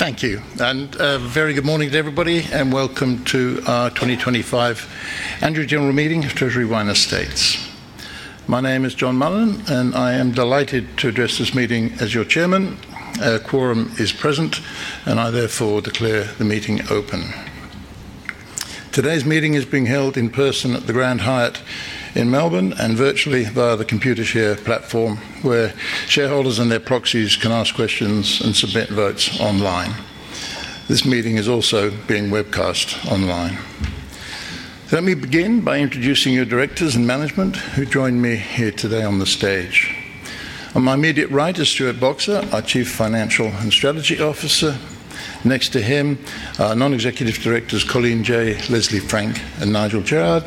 Thank you. A very good morning to everybody, and welcome to our 2025 Annual General Meeting of Treasury Wine Estates. My name is John Mullen, and I am delighted to address this meeting as your Chairman. A quorum is present, and I therefore declare the meeting open. Today's meeting is being held in person at the Grand Hyatt Melbourne and virtually via the Computershare platform, where shareholders and their proxies can ask questions and submit votes online. This meeting is also being webcast online. Let me begin by introducing your directors and management, who join me here today on the stage. On my immediate right is Stuart Boxer, our Chief Financial and Strategy Officer. Next to him are Non-Executive Directors Colleen Jay, Leslie Frank, and Nigel Garrard.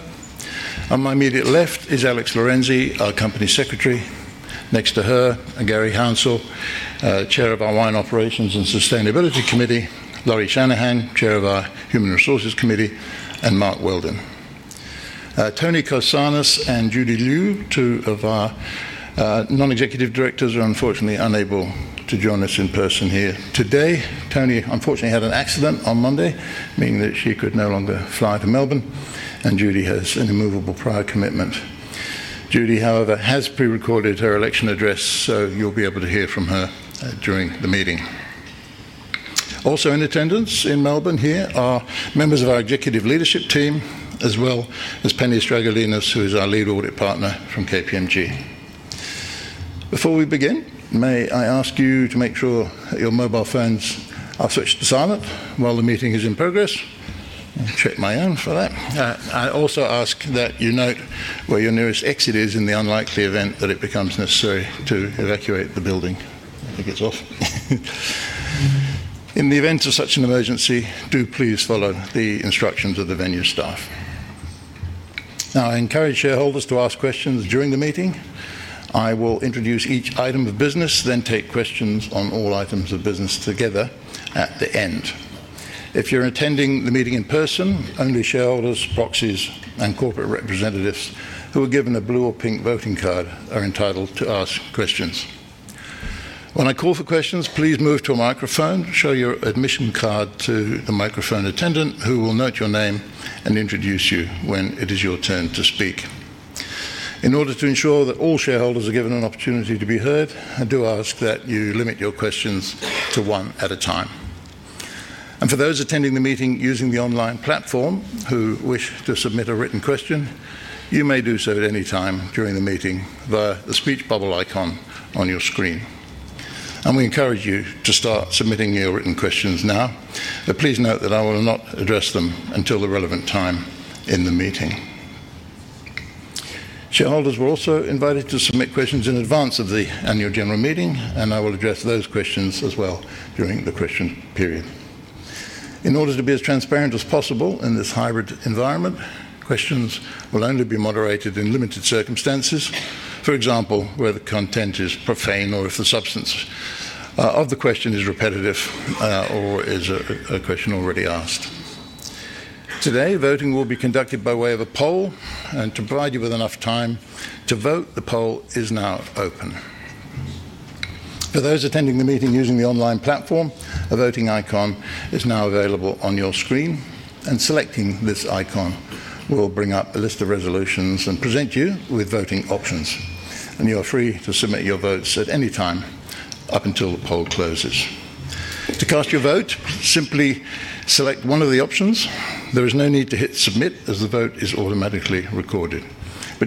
On my immediate left is Alex Lorenzi, our Company Secretary. Next to her are Garry Hounsell, Chair of our Wine Operations and Sustainability Committee, Lauri Shanahan, Chair of our Human Resources Committee, and Mark Weldon. Toni Korsanos and Judy Liu, two of our Non-Executive Directors, are unfortunately unable to join us in person here today. Tony, unfortunately, had an accident on Monday, meaning that he could no longer fly to Melbourne, and Judy has an immovable prior commitment. Judy, however, has pre-recorded her election address, so you'll be able to hear from her during the meeting. Also in attendance in Melbourne here are members of our executive leadership team, as well as Penny Stragalinos, who is our Lead Audit Partner from KPMG. Before we begin, may I ask you to make sure that your mobile phones are switched to silent while the meeting is in progress? I'll check my own for that. I also ask that you note where your nearest exit is in the unlikely event that it becomes necessary to evacuate the building. In the event of such an emergency, do please follow the instructions of the venue staff. I encourage shareholders to ask questions during the meeting. I will introduce each item of business, then take questions on all items of business together at the end. If you're attending the meeting in person, only shareholders, proxies, and corporate representatives who are given a blue or pink voting card are entitled to ask questions. When I call for questions, please move to a microphone, show your admission card to the microphone attendant, who will note your name and introduce you when it is your turn to speak. In order to ensure that all shareholders are given an opportunity to be heard, I do ask that you limit your questions to one at a time. For those attending the meeting using the online platform who wish to submit a written question, you may do so at any time during the meeting via the speech bubble icon on your screen. We encourage you to start submitting your written questions now, but please note that I will not address them until the relevant time in the meeting. Shareholders were also invited to submit questions in advance of the Annual General Meeting, and I will address those questions as well during the question period. In order to be as transparent as possible in this hybrid environment, questions will only be moderated in limited circumstances, for example, where the content is profane or if the substance of the question is repetitive or is a question already asked. Today, voting will be conducted by way of a poll, and to provide you with enough time to vote, the poll is now open. For those attending the meeting using the online platform, a voting icon is now available on your screen, and selecting this icon will bring up a list of resolutions and present you with voting options. You are free to submit your votes at any time up until the poll closes. To cast your vote, simply select one of the options. There is no need to hit submit, as the vote is automatically recorded.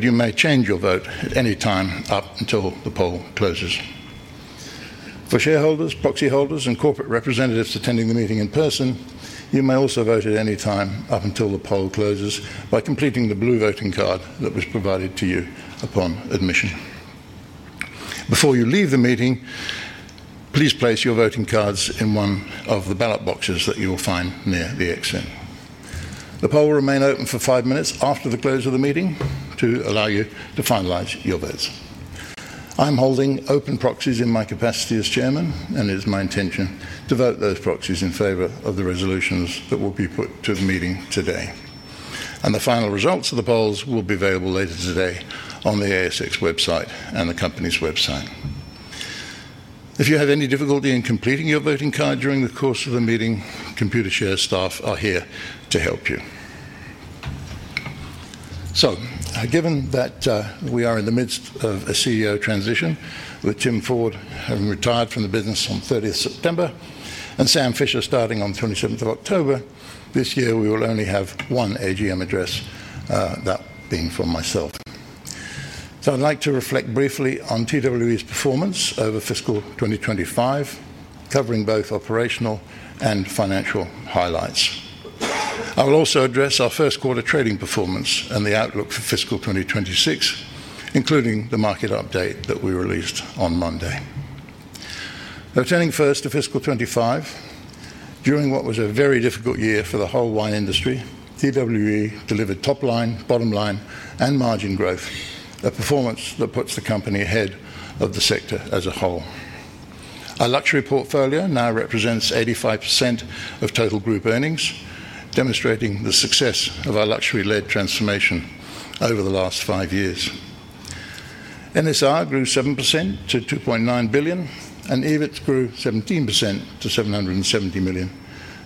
You may change your vote at any time up until the poll closes. For shareholders, proxy holders, and corporate representatives attending the meeting in person, you may also vote at any time up until the poll closes by completing the blue voting card that was provided to you upon admission. Before you leave the meeting, please place your voting cards in one of the ballot boxes that you will find near the exit. The poll will remain open for five minutes after the close of the meeting to allow you to finalize your votes. I'm holding open proxies in my capacity as Chairman, and it is my intention to vote those proxies in favor of the resolutions that will be put to the meeting today. The final results of the polls will be available later today on the ASX website and the company's website. If you have any difficulty in completing your voting card during the course of the meeting, Computershare staff are here to help you. Given that we are in the midst of a CEO transition, with Tim Ford having retired from the business on 30th of September and Sam Fisher starting on 27th of October, this year we will only have one AGM address, that being for myself. I'd like to reflect briefly on TWE's performance over fiscal 2025, covering both operational and financial highlights. I will also address our first quarter trading performance and the outlook for fiscal 2026, including the market update that we released on Monday. Attending first to fiscal 2025, during what was a very difficult year for the whole wine industry, TWE delivered top line, bottom line, and margin growth, a performance that puts the company ahead of the sector as a whole. Our luxury portfolio now represents 85% of total group earnings, demonstrating the success of our luxury-led transformation over the last five years. NSR grew 7% to 2.9 billion, and EBIT grew 17% to 770 million,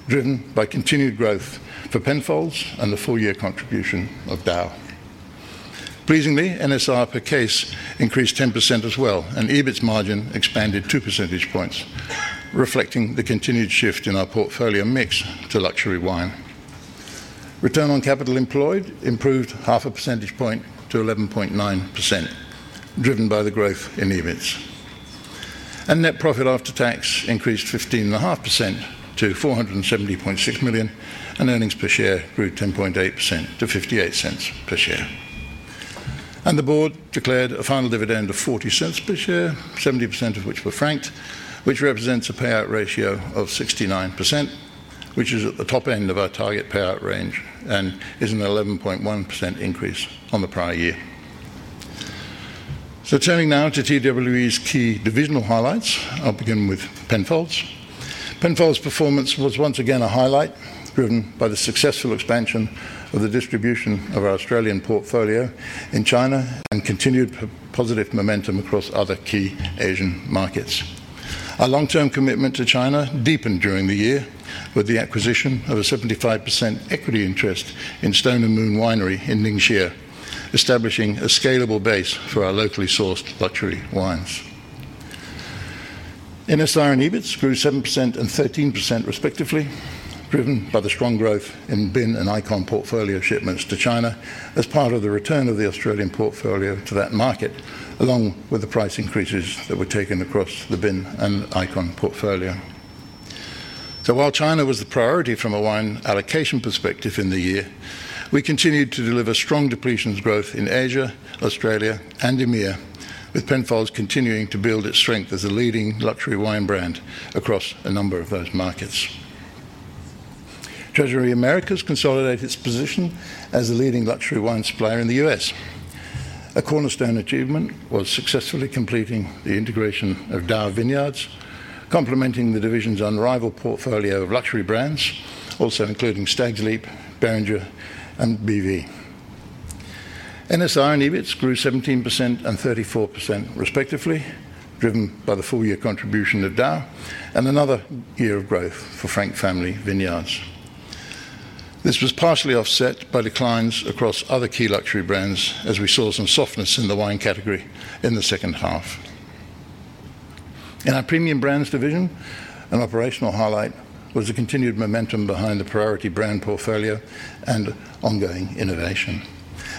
driven by continued growth for Penfolds and the full-year contribution of DAOU. Pleasingly, NSR per case increased 10% as well, and EBIT margin expanded two percentage points, reflecting the continued shift in our portfolio mix to luxury wine. Return on capital employed improved half a percentage point to 11.9%, driven by the growth in EBIT. Net profit after tax increased 15.5% to 470.6 million, and earnings per share grew 10.8% to 0.58 per share. The board declared a final dividend of 0.40 per share, 70% of which were franked, which represents a payout ratio of 69%, which is at the top end of our target payout range and is an 11.1% increase on the prior year. Turning now to TWE's key divisional highlights, I'll begin with Penfolds. Penfolds' performance was once again a highlight, driven by the successful expansion of the distribution of our Australian portfolio in China and continued positive momentum across other key Asian markets. Our long-term commitment to China deepened during the year, with the acquisition of a 75% equity interest in Stone & Moon Winery in Ningxia, establishing a scalable base for our locally sourced luxury wines. NSR and EBIT grew 7% and 13% respectively, driven by the strong growth in bin and icon portfolio shipments to China as part of the return of the Australian portfolio to that market, along with the price increases that were taken across the bin and icon portfolio. While China was the priority from a wine allocation perspective in the year, we continued to deliver strong depletions growth in Asia, Australia, and EMEA, with Penfolds continuing to build its strength as a leading luxury wine brand across a number of those markets. Treasury Americas consolidated its position as a leading luxury wine supplier in the U.S. A cornerstone achievement was successfully completing the integration of DAOU vineyards, complementing the division's unrivaled portfolio of luxury brands, also including Stags’ Leap, Beringer, and BV. NSR and EBIT grew 17% and 34% respectively, driven by the full-year contribution of DAOU and another year of growth for Frank Family Vineyards. This was partially offset by declines across other key luxury brands, as we saw some softness in the wine category in the second half. In our Premium Brands division, an operational highlight was the continued momentum behind the priority brand portfolio and ongoing innovation.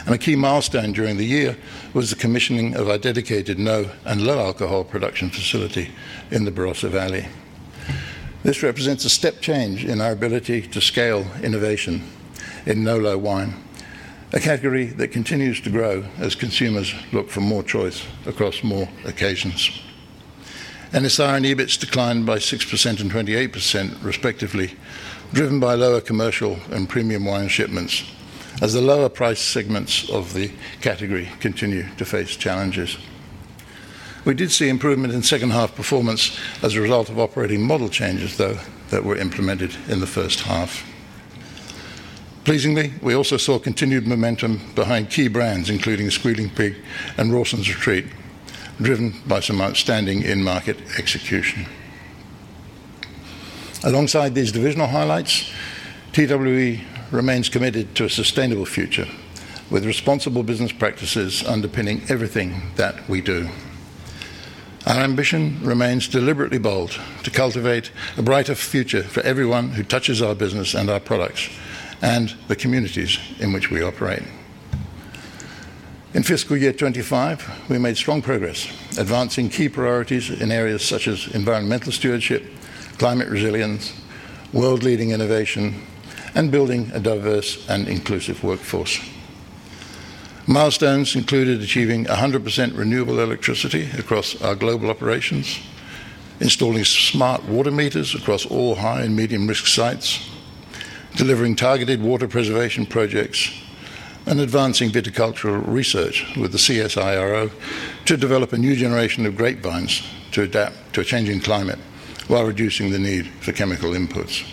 A key milestone during the year was the commissioning of our dedicated no- and low-alcohol production facility in the Barossa Valley. This represents a step change in our ability to scale innovation in no- and low-alcohol wine, a category that continues to grow as consumers look for more choice across more occasions. NSR and EBIT declined by 6% and 28% respectively, driven by lower commercial and premium wine shipments, as the lower price segments of the category continue to face challenges. We did see improvement in second-half performance as a result of operating model changes that were implemented in the first half. Pleasingly, we also saw continued momentum behind key brands, including Squealing Pig and Rawson's Retreat, driven by some outstanding in-market execution. Alongside these divisional highlights, Treasury Wine Estates remains committed to a sustainable future, with responsible business practices underpinning everything that we do. Our ambition remains deliberately bold to cultivate a brighter future for everyone who touches our business and our products and the communities in which we operate. In fiscal year 2025, we made strong progress, advancing key priorities in areas such as environmental stewardship, climate resilience, world-leading innovation, and building a diverse and inclusive workforce. Milestones included achieving 100% renewable electricity across our global operations, installing smart water meters across all high and medium risk sites, delivering targeted water preservation projects, and advancing viticultural research with the CSIRO to develop a new generation of grapevines to adapt to a changing climate while reducing the need for chemical inputs.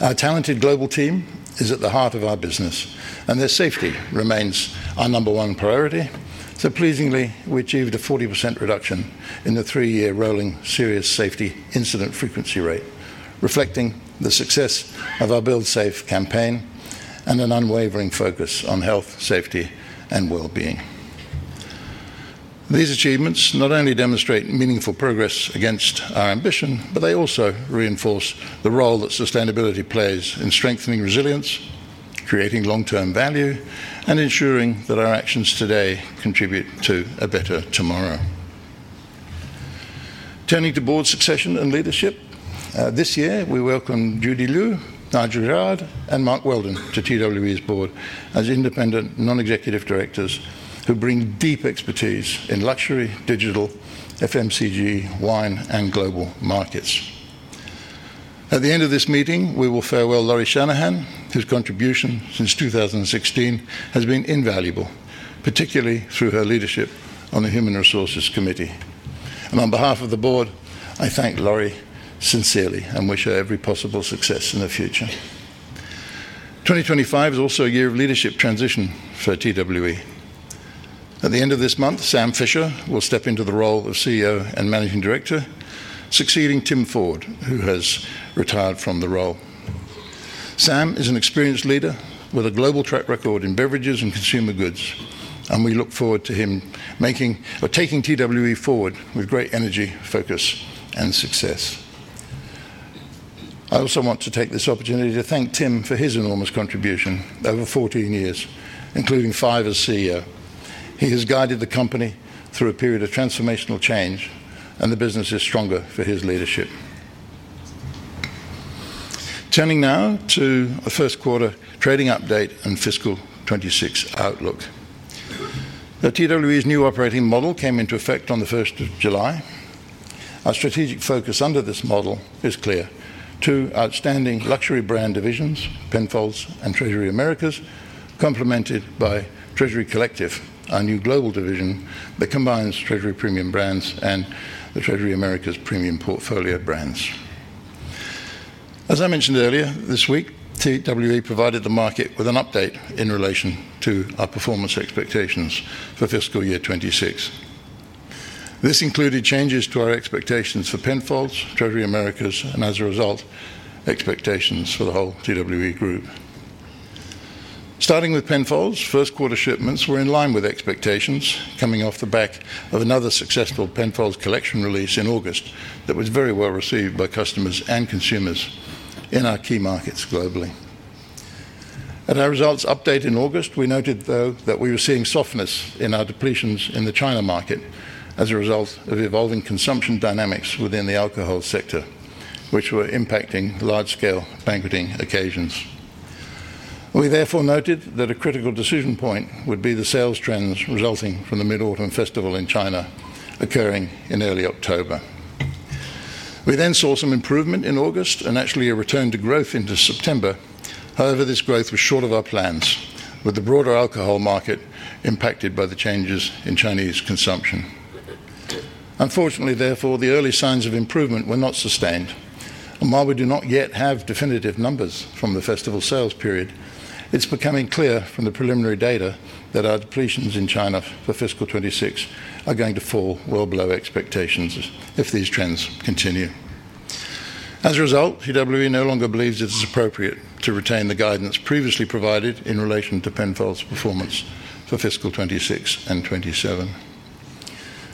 Our talented global team is at the heart of our business, and their safety remains our number one priority. Pleasingly, we achieved a 40% reduction in the three-year rolling serious safety incident frequency rate, reflecting the success of our Build Safe campaign and an unwavering focus on health, safety, and well-being. These achievements not only demonstrate meaningful progress against our ambition, but they also reinforce the role that sustainability plays in strengthening resilience, creating long-term value, and ensuring that our actions today contribute to a better tomorrow. Turning to board succession and leadership, this year we welcome Judy Liu, Nigel Garrard, and Mark Weldon to TWE's board as independent non-executive directors who bring deep expertise in luxury, digital, FMCG, wine, and global markets. At the end of this meeting, we will farewell Lauri Shanahan, whose contribution since 2016 has been invaluable, particularly through her leadership on the Human Resources Committee. On behalf of the board, I thank Lauri sincerely and wish her every possible success in the future. 2025 is also a year of leadership transition for TWE. At the end of this month, Sam Fisher will step into the role of CEO and Managing Director, succeeding Tim Ford, who has retired from the role. Sam is an experienced leader with a global track record in beverages and consumer goods, and we look forward to him taking TWE forward with great energy, focus, and success. I also want to take this opportunity to thank Tim for his enormous contribution over 14 years, including five as CEO. He has guided the company through a period of transformational change, and the business is stronger for his leadership. Turning now to a first quarter trading update and fiscal 2026 outlook. TWE's new operating model came into effect on the 1st of July. Our strategic focus under this model is clear: two outstanding luxury brand divisions, Penfolds and Treasury Americas, complemented by Treasury Collective, our new global division that combines Treasury Premium Brands and the Treasury Americas Premium portfolio brands. As I mentioned earlier, this week, TWE provided the market with an update in relation to our performance expectations for fiscal year 2026. This included changes to our expectations for Penfolds, Treasury Americas, and as a result, expectations for the whole TWE group. Starting with Penfolds, first quarter shipments were in line with expectations, coming off the back of another successful Penfolds Collection release in August that was very well received by customers and consumers in our key markets globally. At our results update in August, we noted, though, that we were seeing softness in our depletions in the China market as a result of evolving consumption dynamics within the alcohol sector, which were impacting large-scale banqueting occasions. We therefore noted that a critical decision point would be the sales trends resulting from the Mid-Autumn Festival in China, occurring in early October. We then saw some improvement in August and actually a return to growth into September. However, this growth was short of our plans, with the broader alcohol market impacted by the changes in Chinese consumption. Unfortunately, the early signs of improvement were not sustained. While we do not yet have definitive numbers from the festival sales period, it's becoming clear from the preliminary data that our depletions in China for fiscal 2026 are going to fall well below expectations if these trends continue. As a result, TWE no longer believes it is appropriate to retain the guidance previously provided in relation to Penfolds' performance for fiscal 2026 and 2027.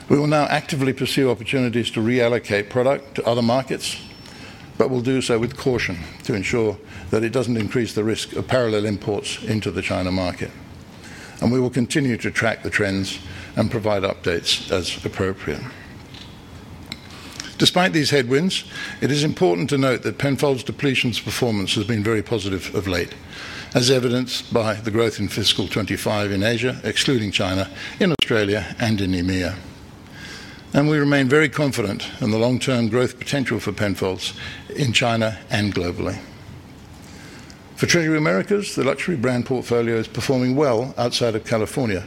We will now actively pursue opportunities to reallocate product to other markets, but we'll do so with caution to ensure that it doesn't increase the risk of parallel imports into the China market. We will continue to track the trends and provide updates as appropriate. Despite these headwinds, it is important to note that Penfolds' depletions performance has been very positive of late, as evidenced by the growth in fiscal 2025 in Asia, excluding China, in Australia, and in EMEA. We remain very confident in the long-term growth potential for Penfolds in China and globally. For Treasury Americas, the luxury brand portfolio is performing well outside of California,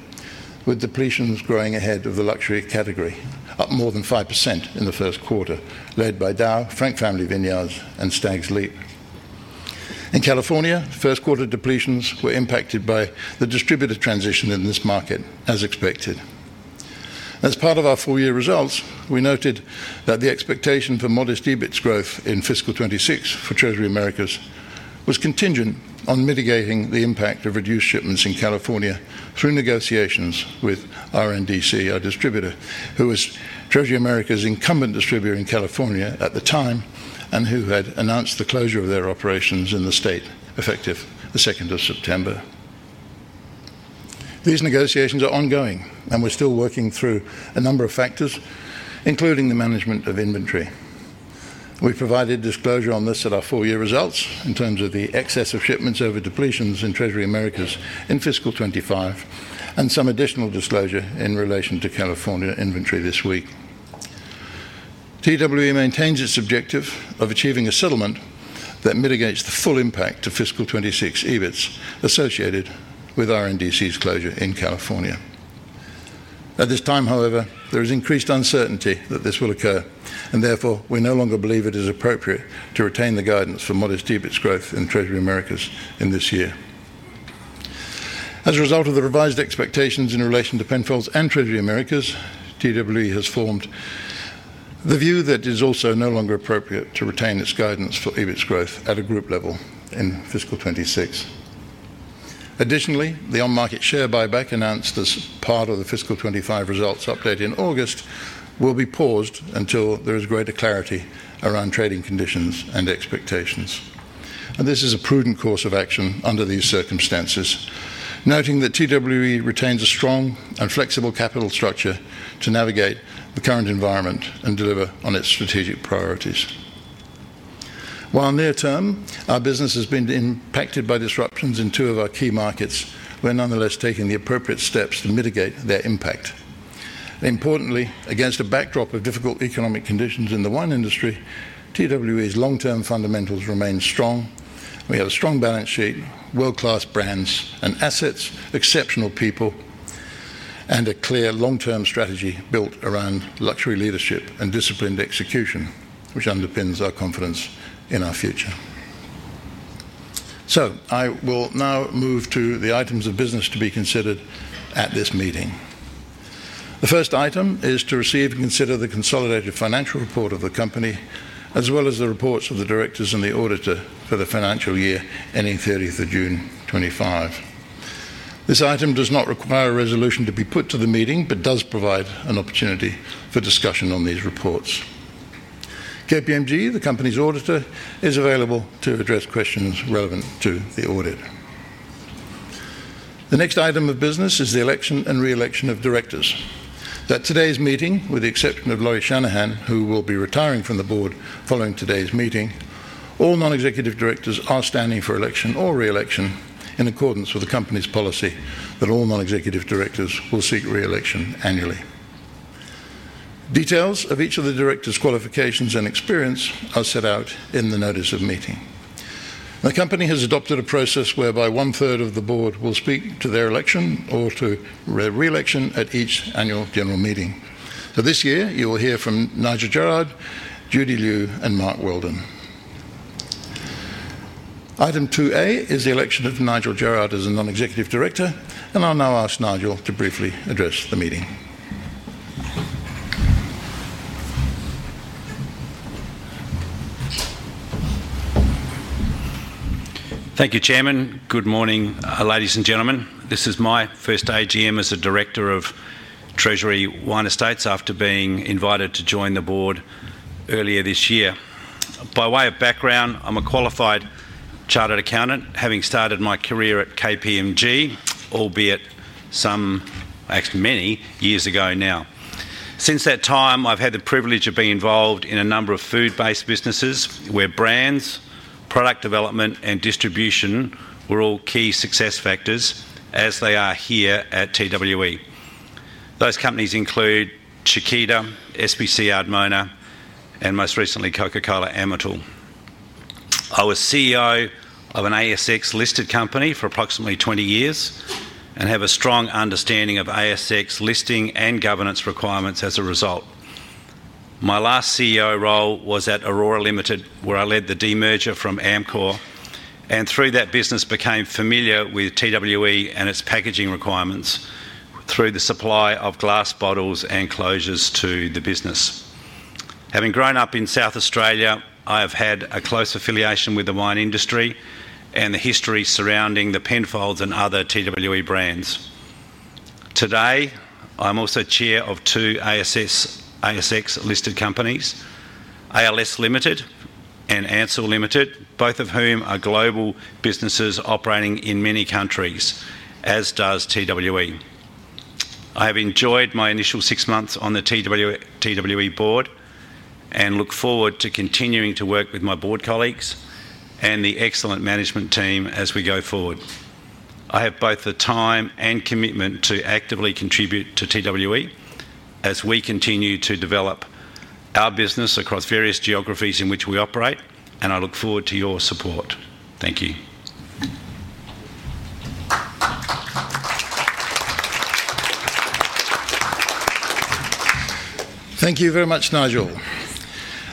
with depletions growing ahead of the luxury category, up more than 5% in the first quarter, led by DAOU, Frank Family Vineyards, and Stags’ Leap. In California, first quarter depletions were impacted by the distributor transition in this market, as expected. As part of our full-year results, we noted that the expectation for modest EBIT growth in fiscal 2026 for Treasury Americas was contingent on mitigating the impact of reduced shipments in California through negotiations with RNDC, our distributor, who was Treasury Americas' incumbent distributor in California at the time and who had announced the closure of their operations in the state effective the 2nd of September. These negotiations are ongoing, and we're still working through a number of factors, including the management of inventory. We provided disclosure on this at our full-year results in terms of the excess of shipments over depletions in Treasury Americas in fiscal 2025 and some additional disclosure in relation to California inventory this week. TWE maintains its objective of achieving a settlement that mitigates the full impact of fiscal 2026 EBIT associated with RNDC's closure in California. At this time, however, there is increased uncertainty that this will occur, and therefore we no longer believe it is appropriate to retain the guidance for modest EBIT growth in Treasury Americas in this year. As a result of the revised expectations in relation to Penfolds and Treasury Americas, TWE has formed the view that it is also no longer appropriate to retain its guidance for EBIT growth at a group level in fiscal 2026. Additionally, the on-market share buyback announced as part of the fiscal 2025 results update in August will be paused until there is greater clarity around trading conditions and expectations. This is a prudent course of action under these circumstances, noting that TWE retains a strong and flexible capital structure to navigate the current environment and deliver on its strategic priorities. While near-term, our business has been impacted by disruptions in two of our key markets, we're nonetheless taking the appropriate steps to mitigate their impact. Importantly, against a backdrop of difficult economic conditions in the wine industry, TWE's long-term fundamentals remain strong. We have a strong balance sheet, world-class brands and assets, exceptional people, and a clear long-term strategy built around luxury leadership and disciplined execution, which underpins our confidence in our future. I will now move to the items of business to be considered at this meeting. The first item is to receive and consider the consolidated financial report of the company, as well as the reports of the directors and the auditor for the financial year ending 30th of June 2025. This item does not require a resolution to be put to the meeting, but does provide an opportunity for discussion on these reports. KPMG, the company's auditor, is available to address questions relevant to the audit. The next item of business is the election and re-election of directors. At today's meeting, with the exception of Lauri Shanahan, who will be retiring from the board following today's meeting, all non-executive directors are standing for election or re-election in accordance with the company's policy that all non-executive directors will seek re-election annually. Details of each of the directors' qualifications and experience are set out in the notice of meeting. The company has adopted a process whereby one-third of the board will speak to their election or to their re-election at each Annual General Meeting. For this year, you will hear from Nigel Garrard, Judy Liu, and Mark Weldon. Item 2A is the election of Nigel Garrard as a Non-Executive Director, and I'll now ask Nigel to briefly address the meeting. Thank you, Chairman. Good morning, ladies and gentlemen. This is my first AGM as a director of Treasury Wine Estates after being invited to join the board earlier this year. By way of background, I'm a qualified chartered accountant, having started my career at KPMG, actually many years ago now. Since that time, I've had the privilege of being involved in a number of food-based businesses where brands, product development, and distribution were all key success factors, as they are here at TWE. Those companies include Chiquita, SPC Ardmona, and most recently, Coca-Cola Amatil. I was CEO of an ASX listed company for approximately 20 years and have a strong understanding of ASX listing and governance requirements as a result. My last CEO role was at Orora Limited, where I led the demerger from Amcor, and through that business became familiar with TWE and its packaging requirements through the supply of glass bottles and closures to the business. Having grown up in South Australia, I have had a close affiliation with the wine industry and the history surrounding the Penfolds and other TWE brands. Today, I'm also chair of two ASX listed companies, ALS Limited and Ansell Limited, both of whom are global businesses operating in many countries, as does TWE. I have enjoyed my initial six months on the TWE board and look forward to continuing to work with my board colleagues and the excellent management team as we go forward. I have both the time and commitment to actively contribute to TWE as we continue to develop our business across various geographies in which we operate, and I look forward to your support. Thank you. Thank you very much, Nigel.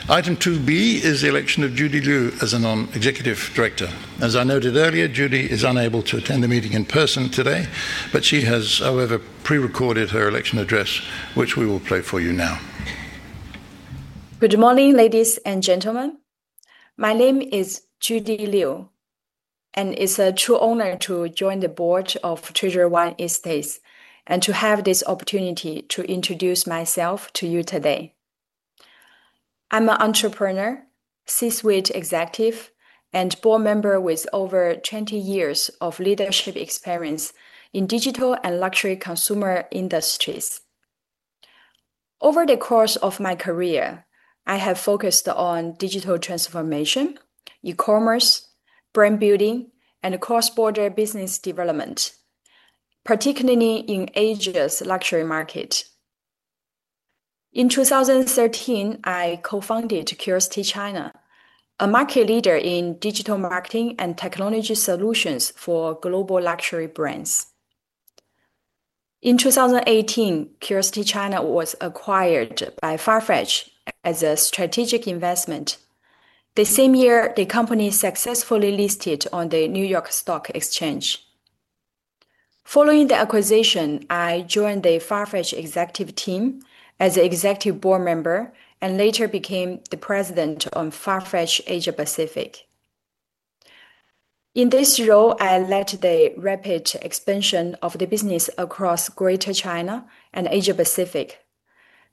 Item 2B is the election of Judy Liu as a Non-Executive Director. As I noted earlier, Judy is unable to attend the meeting in person today, but she has, however, pre-recorded her election address, which we will play for you now. Good morning, ladies and gentlemen. My name is Judy Liu, and it's a true honor to join the board of Treasury Wine Estates and to have this opportunity to introduce myself to you today. I'm an entrepreneur, C-suite executive, and board member with over 20 years of leadership experience in digital and luxury consumer industries. Over the course of my career, I have focused on digital transformation, e-commerce, brand building, and cross-border business development, particularly in Asia's luxury market. In 2013, I co-founded CuriosityChina, a market leader in digital marketing and technology solutions for global luxury brands. In 2018, CuriosityChina was acquired by Farfetch as a strategic investment. The same year, the company successfully listed on the New York Stock Exchange. Following the acquisition, I joined the Farfetch executive team as an executive board member and later became the President of Farfetch Asia-Pacific. In this role, I led the rapid expansion of the business across Greater China and Asia-Pacific,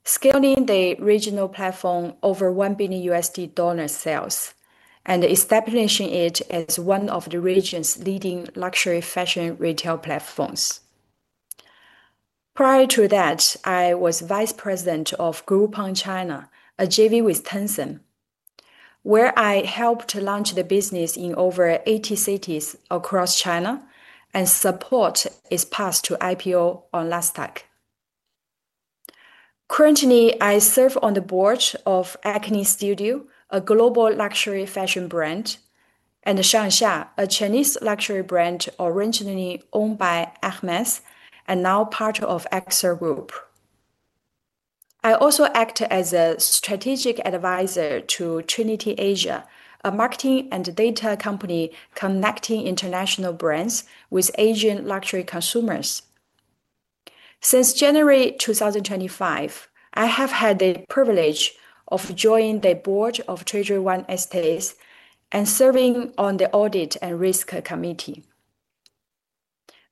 scaling the regional platform over $1 billion sales and establishing it as one of the region's leading luxury fashion retail platforms. Prior to that, I was Vice President of Groupon China, a JV with Tencent, where I helped launch the business in over 80 cities across China and support its path to IPO on Nasdaq. Currently, I serve on the board of Acne Studios, a global luxury fashion brand, and Shang Xia, a Chinese luxury brand originally owned by Hermès and now part of AXA Group. I also act as a strategic advisor to Trinity Asia, a marketing and data company connecting international brands with Asian luxury consumers. Since January 2025, I have had the privilege of joining the board of Treasury Wine Estates and serving on the Audit and Risk Committee.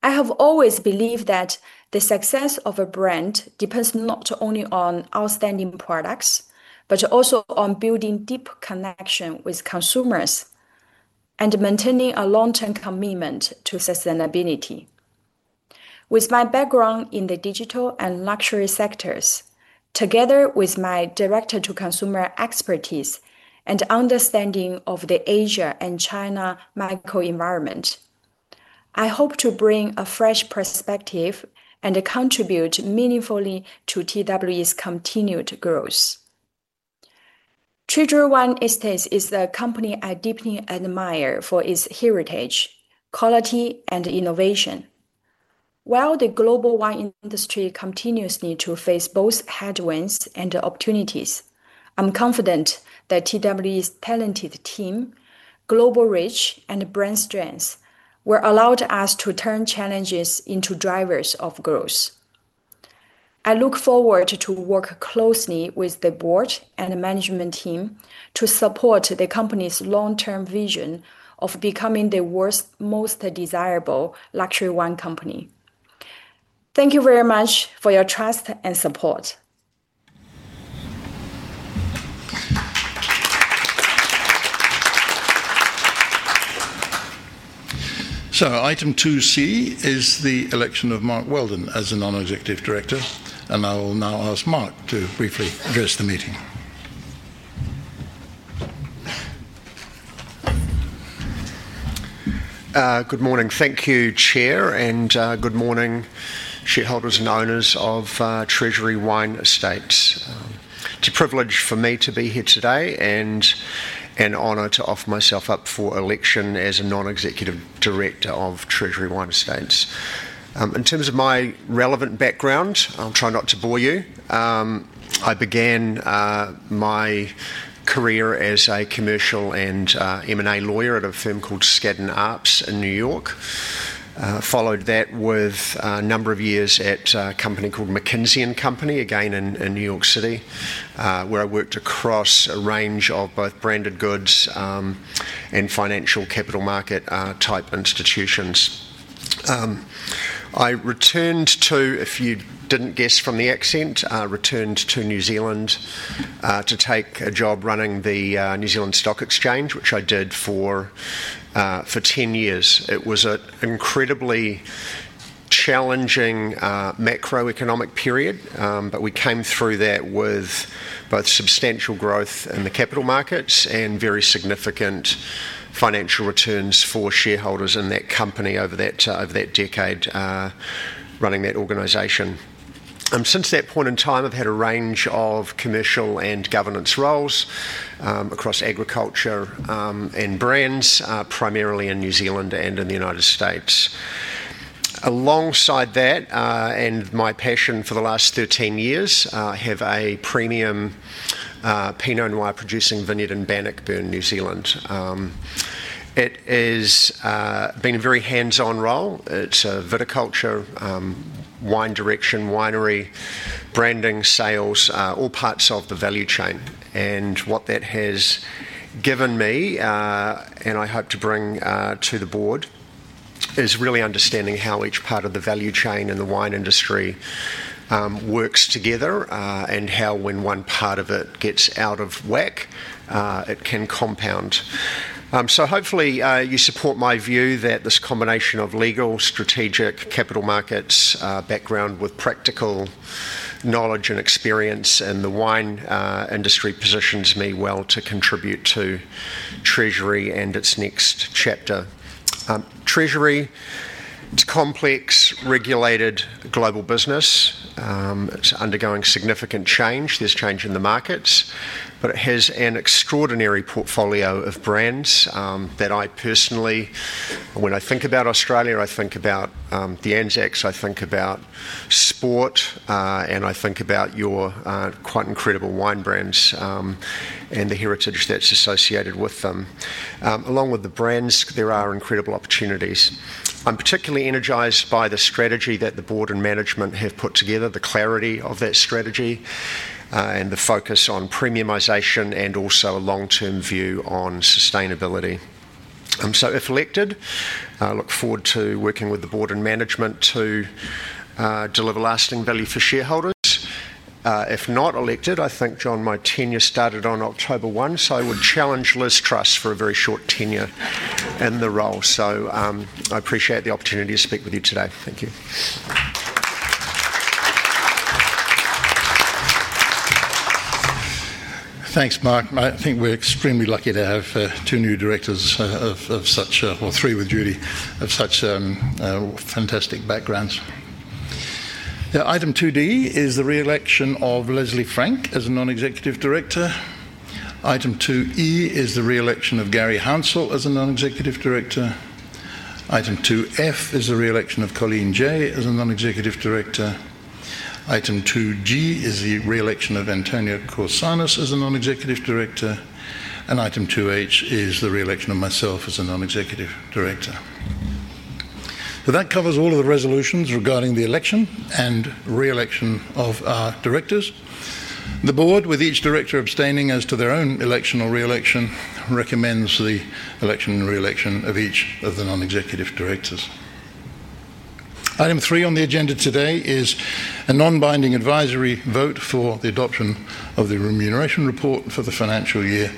I have always believed that the success of a brand depends not only on outstanding products, but also on building deep connection with consumers and maintaining a long-term commitment to sustainability. With my background in the digital and luxury sectors, together with my direct-to-consumer expertise and understanding of the Asia and China microenvironment, I hope to bring a fresh perspective and contribute meaningfully to TWE's continued growth. Treasury Wine Estates is a company I deeply admire for its heritage, quality, and innovation. While the global wine industry continues to face both headwinds and opportunities, I'm confident that TWE's talented team, global reach, and brand strengths will allow us to turn challenges into drivers of growth. I look forward to working closely with the board and management team to support the company's long-term vision of becoming the world's most desirable luxury wine company. Thank you very much for your trust and support. Item 2C is the election of Mark Weldon as a Non-Executive Director, and I will now ask Mark to briefly address the meeting. Good morning. Thank you, Chair, and good morning, shareholders and owners of Treasury Wine Estates. It's a privilege for me to be here today and an honor to offer myself up for election as a Non-Executive Director of Treasury Wine Estates. In terms of my relevant background, I'll try not to bore you. I began my career as a commercial and M&A lawyer at a firm called Skadden Arps in New York. I followed that with a number of years at a company called McKinsey & Company, again in New York City, where I worked across a range of both branded goods and financial capital market type institutions. I returned to, if you didn't guess from the accent, returned to New Zealand to take a job running the New Zealand Stock Exchange, which I did for 10 years. It was an incredibly challenging macroeconomic period, but we came through that with both substantial growth in the capital markets and very significant financial returns for shareholders in that company over that decade running that organization. Since that point in time, I've had a range of commercial and governance roles across agriculture and brands, primarily in New Zealand and in the United States. Alongside that and my passion for the last 13 years, I have a premium pinot and wine producing vineyard in Bannockburn, New Zealand. It has been a very hands-on role. It's a viticulture, wine direction, winery, branding, sales, all parts of the value chain. What that has given me, and I hope to bring to the board, is really understanding how each part of the value chain in the wine industry works together and how when one part of it gets out of whack, it can compound. Hopefully, you support my view that this combination of legal, strategic, capital markets background with practical knowledge and experience in the wine industry positions me well to contribute to Treasury and its next chapter. Treasury, it's a complex regulated global business. It's undergoing significant change. There's change in the markets, but it has an extraordinary portfolio of brands that I personally, when I think about Australia, I think about the ANZEx, I think about sport, and I think about your quite incredible wine brands and the heritage that's associated with them. Along with the brands, there are incredible opportunities. I'm particularly energized by the strategy that the board and management have put together, the clarity of that strategy, and the focus on premiumization and also a long-term view on sustainability. If elected, I look forward to working with the board and management to deliver lasting value for shareholders. If not elected, I think, John, my tenure started on October 1, so I would challenge Liz Truss for a very short tenure in the role. I appreciate the opportunity to speak with you today. Thank you. Thanks, Mark. I think we're extremely lucky to have two new directors of such, or three with Judy, of such fantastic backgrounds. Item 2D is the reelection of Leslie Frank as a Non-Executive Director. Item 2E is the reelection of Garry Hounsell as a Non-Executive Director. Item 2F is the reelection of Colleen Jay as a Non-Executive Director. Item 2G is the reelection of Antonia Korsanos as a Non-Executive Director. Item 2H is the reelection of myself as a Non-Executive Director. That covers all of the resolutions regarding the election and reelection of our directors. The board, with each director abstaining as to their own election or reelection, recommends the election and reelection of each of the Non-Executive Directors. Item 3 on the agenda today is a non-binding advisory vote for the adoption of the remuneration report for the financial year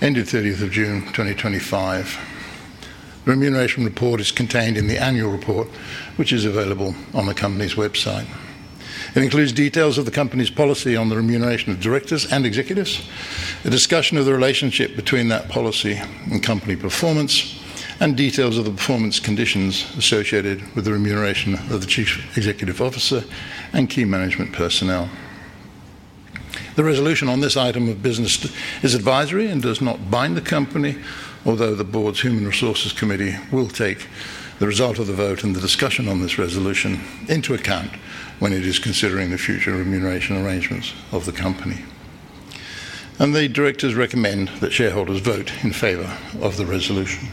ended 30th of June 2025. The remuneration report is contained in the annual report, which is available on the company's website. It includes details of the company's policy on the remuneration of directors and executives, a discussion of the relationship between that policy and company performance, and details of the performance conditions associated with the remuneration of the Chief Executive Officer and key management personnel. The resolution on this item of business is advisory and does not bind the company, although the board's Human Resources Committee will take the result of the vote and the discussion on this resolution into account when it is considering the future remuneration arrangements of the company. The directors recommend that shareholders vote in favor of the resolution.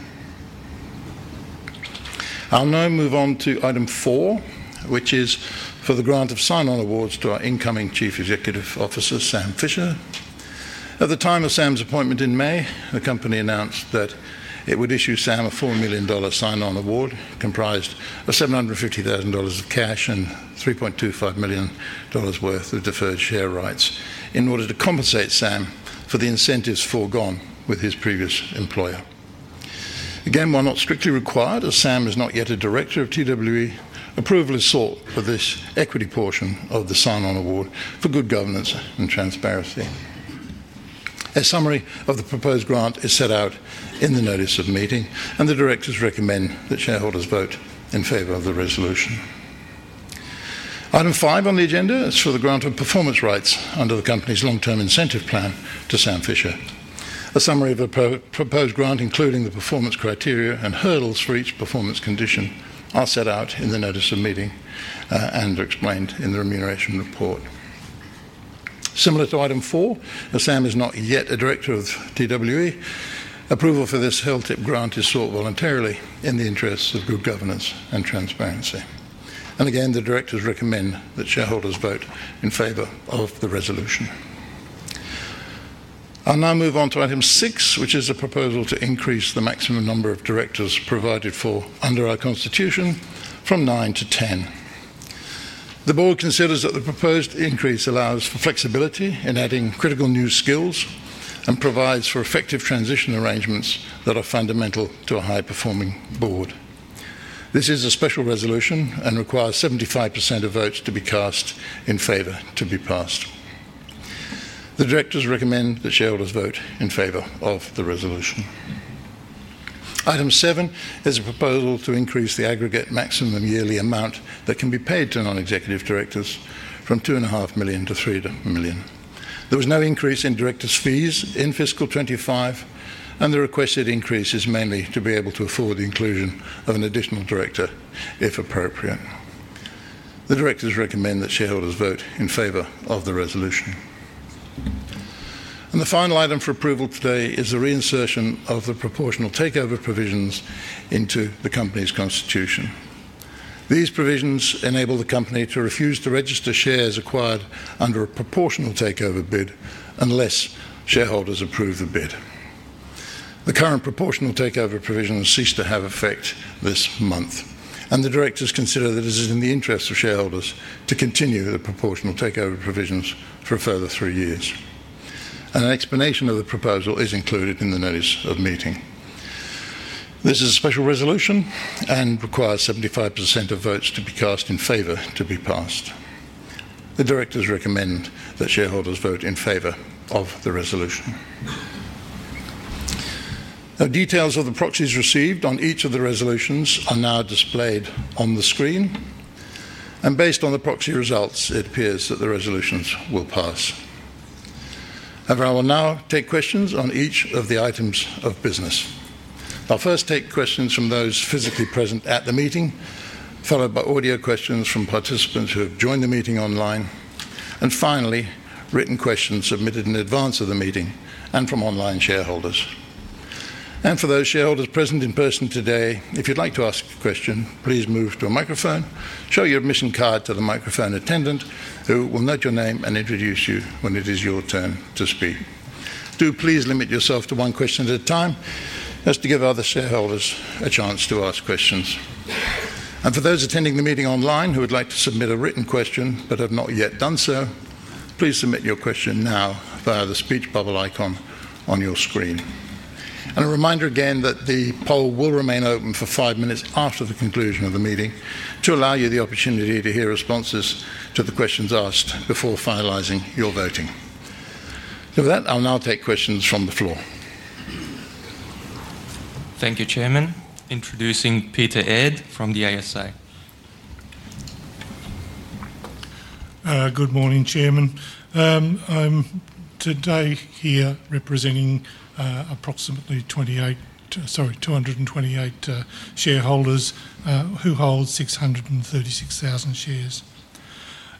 I'll now move on to item 4, which is for the grant of sign-on awards to our incoming Chief Executive Officer, Sam Fisher. At the time of Sam's appointment in May, the company announced that it would issue Sam a 4 million dollar sign-on award comprised of 750,000 dollars of cash and 3.25 million dollars worth of deferred share rights in order to compensate Sam for the incentives foregone with his previous employer. While not strictly required, as Sam is not yet a director of TWE, approval is sought for this equity portion of the sign-on award for good governance and transparency. A summary of the proposed grant is set out in the notice of meeting, and the directors recommend that shareholders vote in favor of the resolution. Item 5 on the agenda is for the grant of performance rights under the company's long-term incentive plan to Sam Fisher. A summary of a proposed grant, including the performance criteria and hurdles for each performance condition, is set out in the notice of meeting and explained in the remuneration report. Similar to item 4, as Sam is not yet a director of TWE, approval for this hilltip grant is sought voluntarily in the interests of good governance and transparency. The directors recommend that shareholders vote in favor of the resolution. I'll now move on to item 6, which is a proposal to increase the maximum number of directors provided for under our Constitution from 9 to 10. The board considers that the proposed increase allows for flexibility in adding critical new skills and provides for effective transition arrangements that are fundamental to a high-performing board. This is a special resolution and requires 75% of votes to be cast in favor to be passed. The directors recommend that shareholders vote in favor of the resolution. Item 7 is a proposal to increase the aggregate maximum yearly amount that can be paid to non-executive directors from 2.5 million to 3 million. There was no increase in directors' fees in fiscal 2025, and the requested increase is mainly to be able to afford the inclusion of an additional director if appropriate. The directors recommend that shareholders vote in favor of the resolution. The final item for approval today is the reinsertion of the proportional takeover provisions into the company's Constitution. These provisions enable the company to refuse to register shares acquired under a proportional takeover bid unless shareholders approve the bid. The current proportional takeover provisions cease to have effect this month, and the directors consider that it is in the interests of shareholders to continue the proportional takeover provisions for a further three years. An explanation of the proposal is included in the notice of meeting. This is a special resolution and requires 75% of votes to be cast in favor to be passed. The directors recommend that shareholders vote in favor of the resolution. Details of the proxies received on each of the resolutions are now displayed on the screen, and based on the proxy results, it appears that the resolutions will pass. I will now take questions on each of the items of business. I'll first take questions from those physically present at the meeting, followed by audio questions from participants who have joined the meeting online, and finally, written questions submitted in advance of the meeting and from online shareholders. For those shareholders present in person today, if you'd like to ask a question, please move to a microphone, show your admission card to the microphone attendant who will note your name and introduce you when it is your turn to speak. Please limit yourself to one question at a time to give other shareholders a chance to ask questions. For those attending the meeting online who would like to submit a written question but have not yet done so, please submit your question now via the speech bubble icon on your screen. A reminder again that the poll will remain open for five minutes after the conclusion of the meeting to allow you the opportunity to hear responses to the questions asked before finalizing your voting. With that, I'll now take questions from the floor. Thank you, Chairman. Introducing Peter Ed from the ASA. Good morning, Chairman. I'm here today representing approximately 228 shareholders who hold 636,000 shares.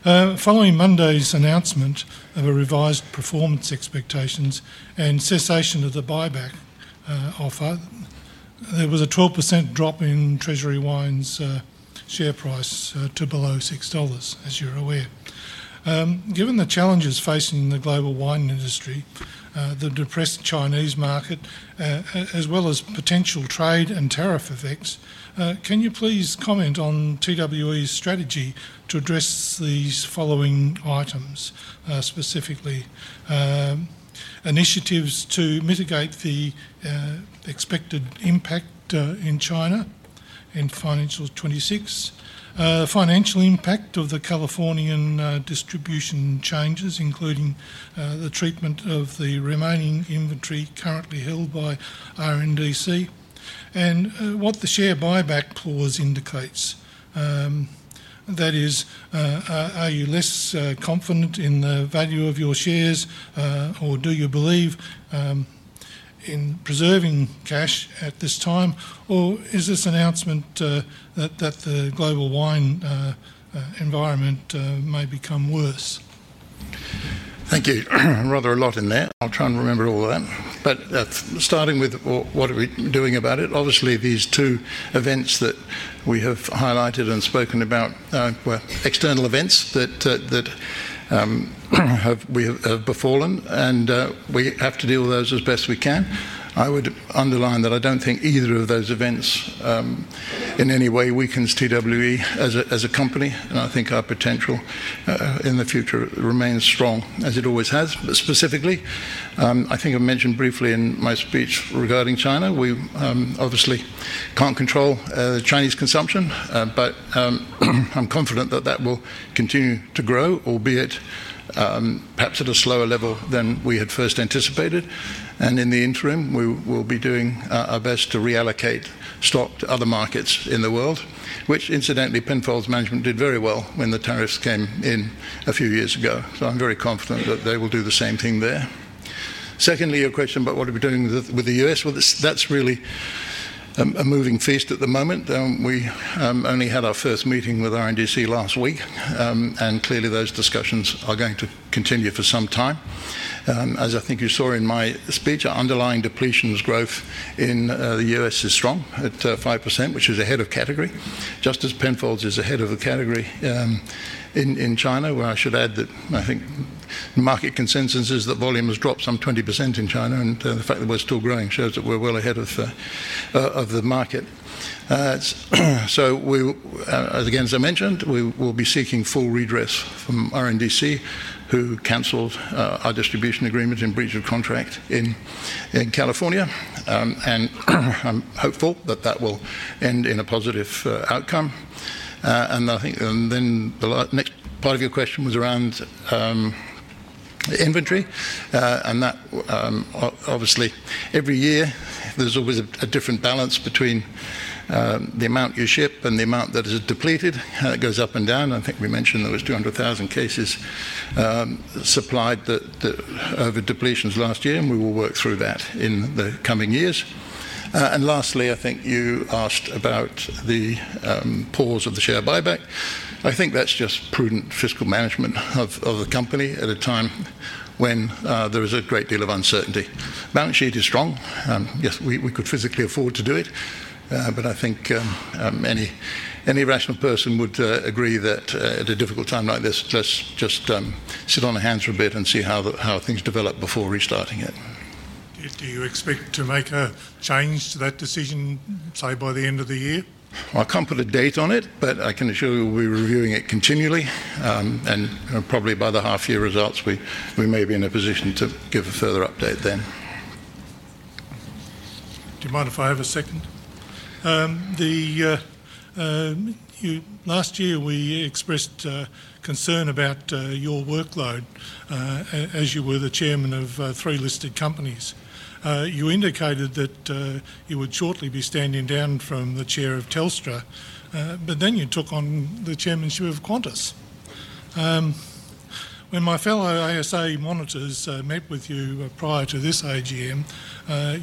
Following Monday's announcement of revised performance expectations and cessation of the share buyback offer, there was a 12% drop in Treasury Wine's share price to below 6 dollars, as you're aware. Given the challenges facing the global wine industry, the depressed Chinese market, as well as potential trade and tariff effects, can you please comment on TWE's strategy to address these following items, specifically initiatives to mitigate the expected impact in China and financial 2026, the financial impact of the Californian distribution changes, including the treatment of the remaining inventory currently held by RNDC, and what the share buyback clause indicates. That is, are you less confident in the value of your shares, or do you believe in preserving cash at this time, or is this announcement that the global wine environment may become worse? Thank you. Rather a lot in there. I'll try and remember all of that. Starting with what are we doing about it, obviously these two events that we have highlighted and spoken about were external events that we have befallen, and we have to deal with those as best we can. I would underline that I don't think either of those events in any way weakens TWE as a company, and I think our potential in the future remains strong as it always has. Specifically, I think I mentioned briefly in my speech regarding China, we obviously can't control Chinese consumption, but I'm confident that that will continue to grow, albeit perhaps at a slower level than we had first anticipated. In the interim, we will be doing our best to reallocate stock to other markets in the world, which incidentally Penfolds management did very well when the tariffs came in a few years ago. I'm very confident that they will do the same thing there. Secondly, your question about what are we doing with the U.S., that's really a moving feast at the moment. We only had our first meeting with RNDC last week, and clearly those discussions are going to continue for some time. As I think you saw in my speech, our underlying depletions growth in the U.S. is strong at 5%, which is ahead of category, just as Penfolds is ahead of category in China, where I should add that I think the market consensus is that volume has dropped some 20% in China, and the fact that we're still growing shows that we're well ahead of the market. As again as I mentioned, we will be seeking full redress from RNDC, who canceled our distribution agreement in breach of contract in California, and I'm hopeful that that will end in a positive outcome. I think then the next part of your question was around inventory, and that obviously every year there's always a different balance between the amount you ship and the amount that is depleted. It goes up and down. I think we mentioned there were 200,000 cases supplied over depletions last year, and we will work through that in the coming years. Lastly, I think you asked about the pause of the share buyback. I think that's just prudent fiscal management of the company at a time when there is a great deal of uncertainty. The balance sheet is strong. Yes, we could physically afford to do it, but I think any rational person would agree that at a difficult time like this, let's just sit on our hands for a bit and see how things develop before restarting it. Do you expect to make a change to that decision, say, by the end of the year? I can't put a date on it, but I can assure you we're reviewing it continually, and probably by the half-year results, we may be in a position to give a further update then. Do you mind if I have a second? Last year, we expressed concern about your workload as you were the Chairman of three listed companies. You indicated that you would shortly be standing down from the chair of Telstra, but then you took on the Chairman's role at Qantas. When my fellow ASA monitors met with you prior to this AGM,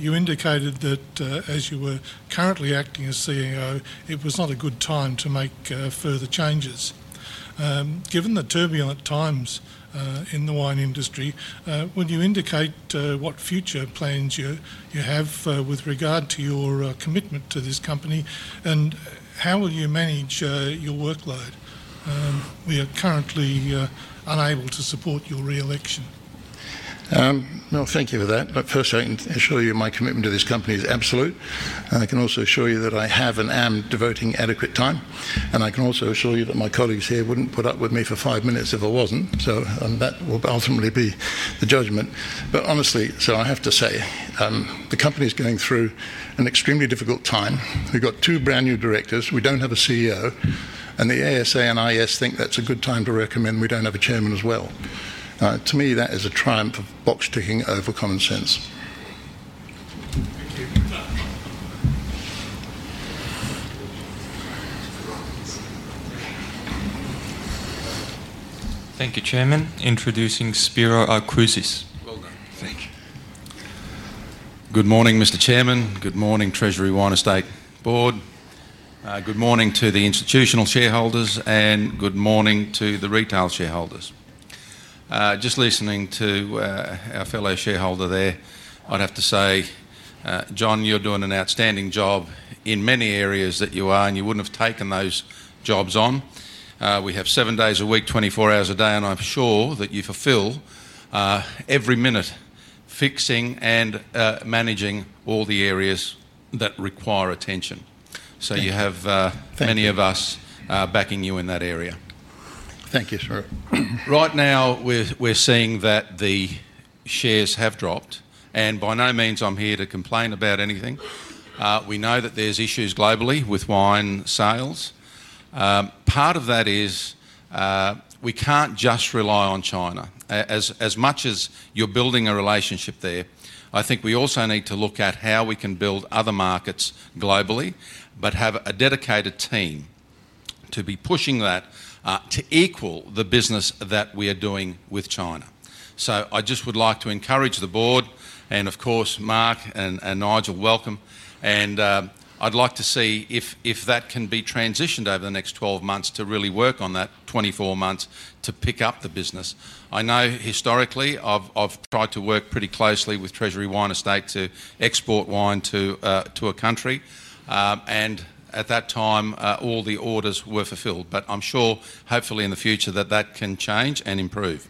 you indicated that as you were currently acting as CEO, it was not a good time to make further changes. Given the turbulent times in the wine industry, would you indicate what future plans you have with regard to your commitment to this company, and how will you manage your workload? We are currently unable to support your reelection. Thank you for that. First, I can assure you my commitment to this company is absolute. I can also assure you that I have and am devoting adequate time, and I can also assure you that my colleagues here wouldn't put up with me for five minutes if I wasn't. That will ultimately be the judgment. Honestly, I have to say, the company is going through an extremely difficult time. We've got two brand new directors. We don't have a CEO, and the ASA and IS think that's a good time to recommend we don't have a chairman as well. To me, that is a triumph of box ticking over common sense. Thank you, Chairman. Introducing [Spiro Alcruzis]. Well done. Thank you. Good morning, Mr. Chairman. Good morning, Treasury Wine Estates Board. Good morning to the institutional shareholders, and good morning to the retail shareholders. Just listening to our fellow shareholder there, I'd have to say, John, you're doing an outstanding job in many areas that you are, and you wouldn't have taken those jobs on. We have seven days a week, 24 hours a day, and I'm sure that you fulfill every minute fixing and managing all the areas that require attention. You have many of us backing you in that area. Thank you, sir. Right now, we're seeing that the shares have dropped, and by no means I'm here to complain about anything. We know that there's issues globally with wine sales. Part of that is we can't just rely on China. As much as you're building a relationship there, I think we also need to look at how we can build other markets globally, but have a dedicated team to be pushing that to equal the business that we are doing with China. I just would like to encourage the board, and of course, Mark and Nigel, welcome. I'd like to see if that can be transitioned over the next 12 months to really work on that 24 months to pick up the business. I know historically, I've tried to work pretty closely with Treasury Wine Estates to export wine to a country, and at that time, all the orders were fulfilled. I'm sure, hopefully, in the future that can change and improve.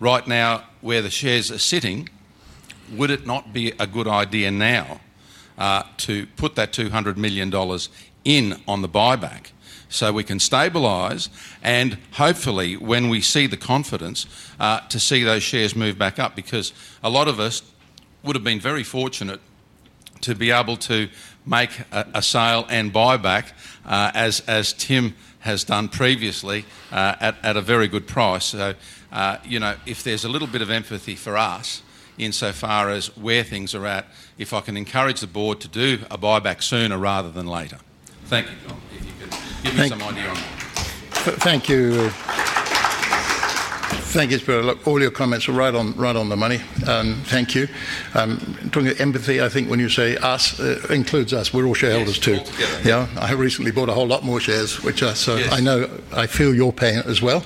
Right now, where the shares are sitting, would it not be a good idea now to put that 200 million dollars in on the buyback so we can stabilize, and hopefully, when we see the confidence, to see those shares move back up? A lot of us would have been very fortunate to be able to make a sale and buyback, as Tim has done previously, at a very good price. If there's a little bit of empathy for us insofar as where things are at, if I can encourage the board to do a buyback sooner rather than later. Thank you, John. If you could give me some idea on that. Thank you. Thank you, [Spiro]. Look, all your comments were right on the money. Thank you. Talking of empathy, I think when you say us, it includes us. We're all shareholders too. I have recently bought a whole lot more shares, which I know I feel your pain as well,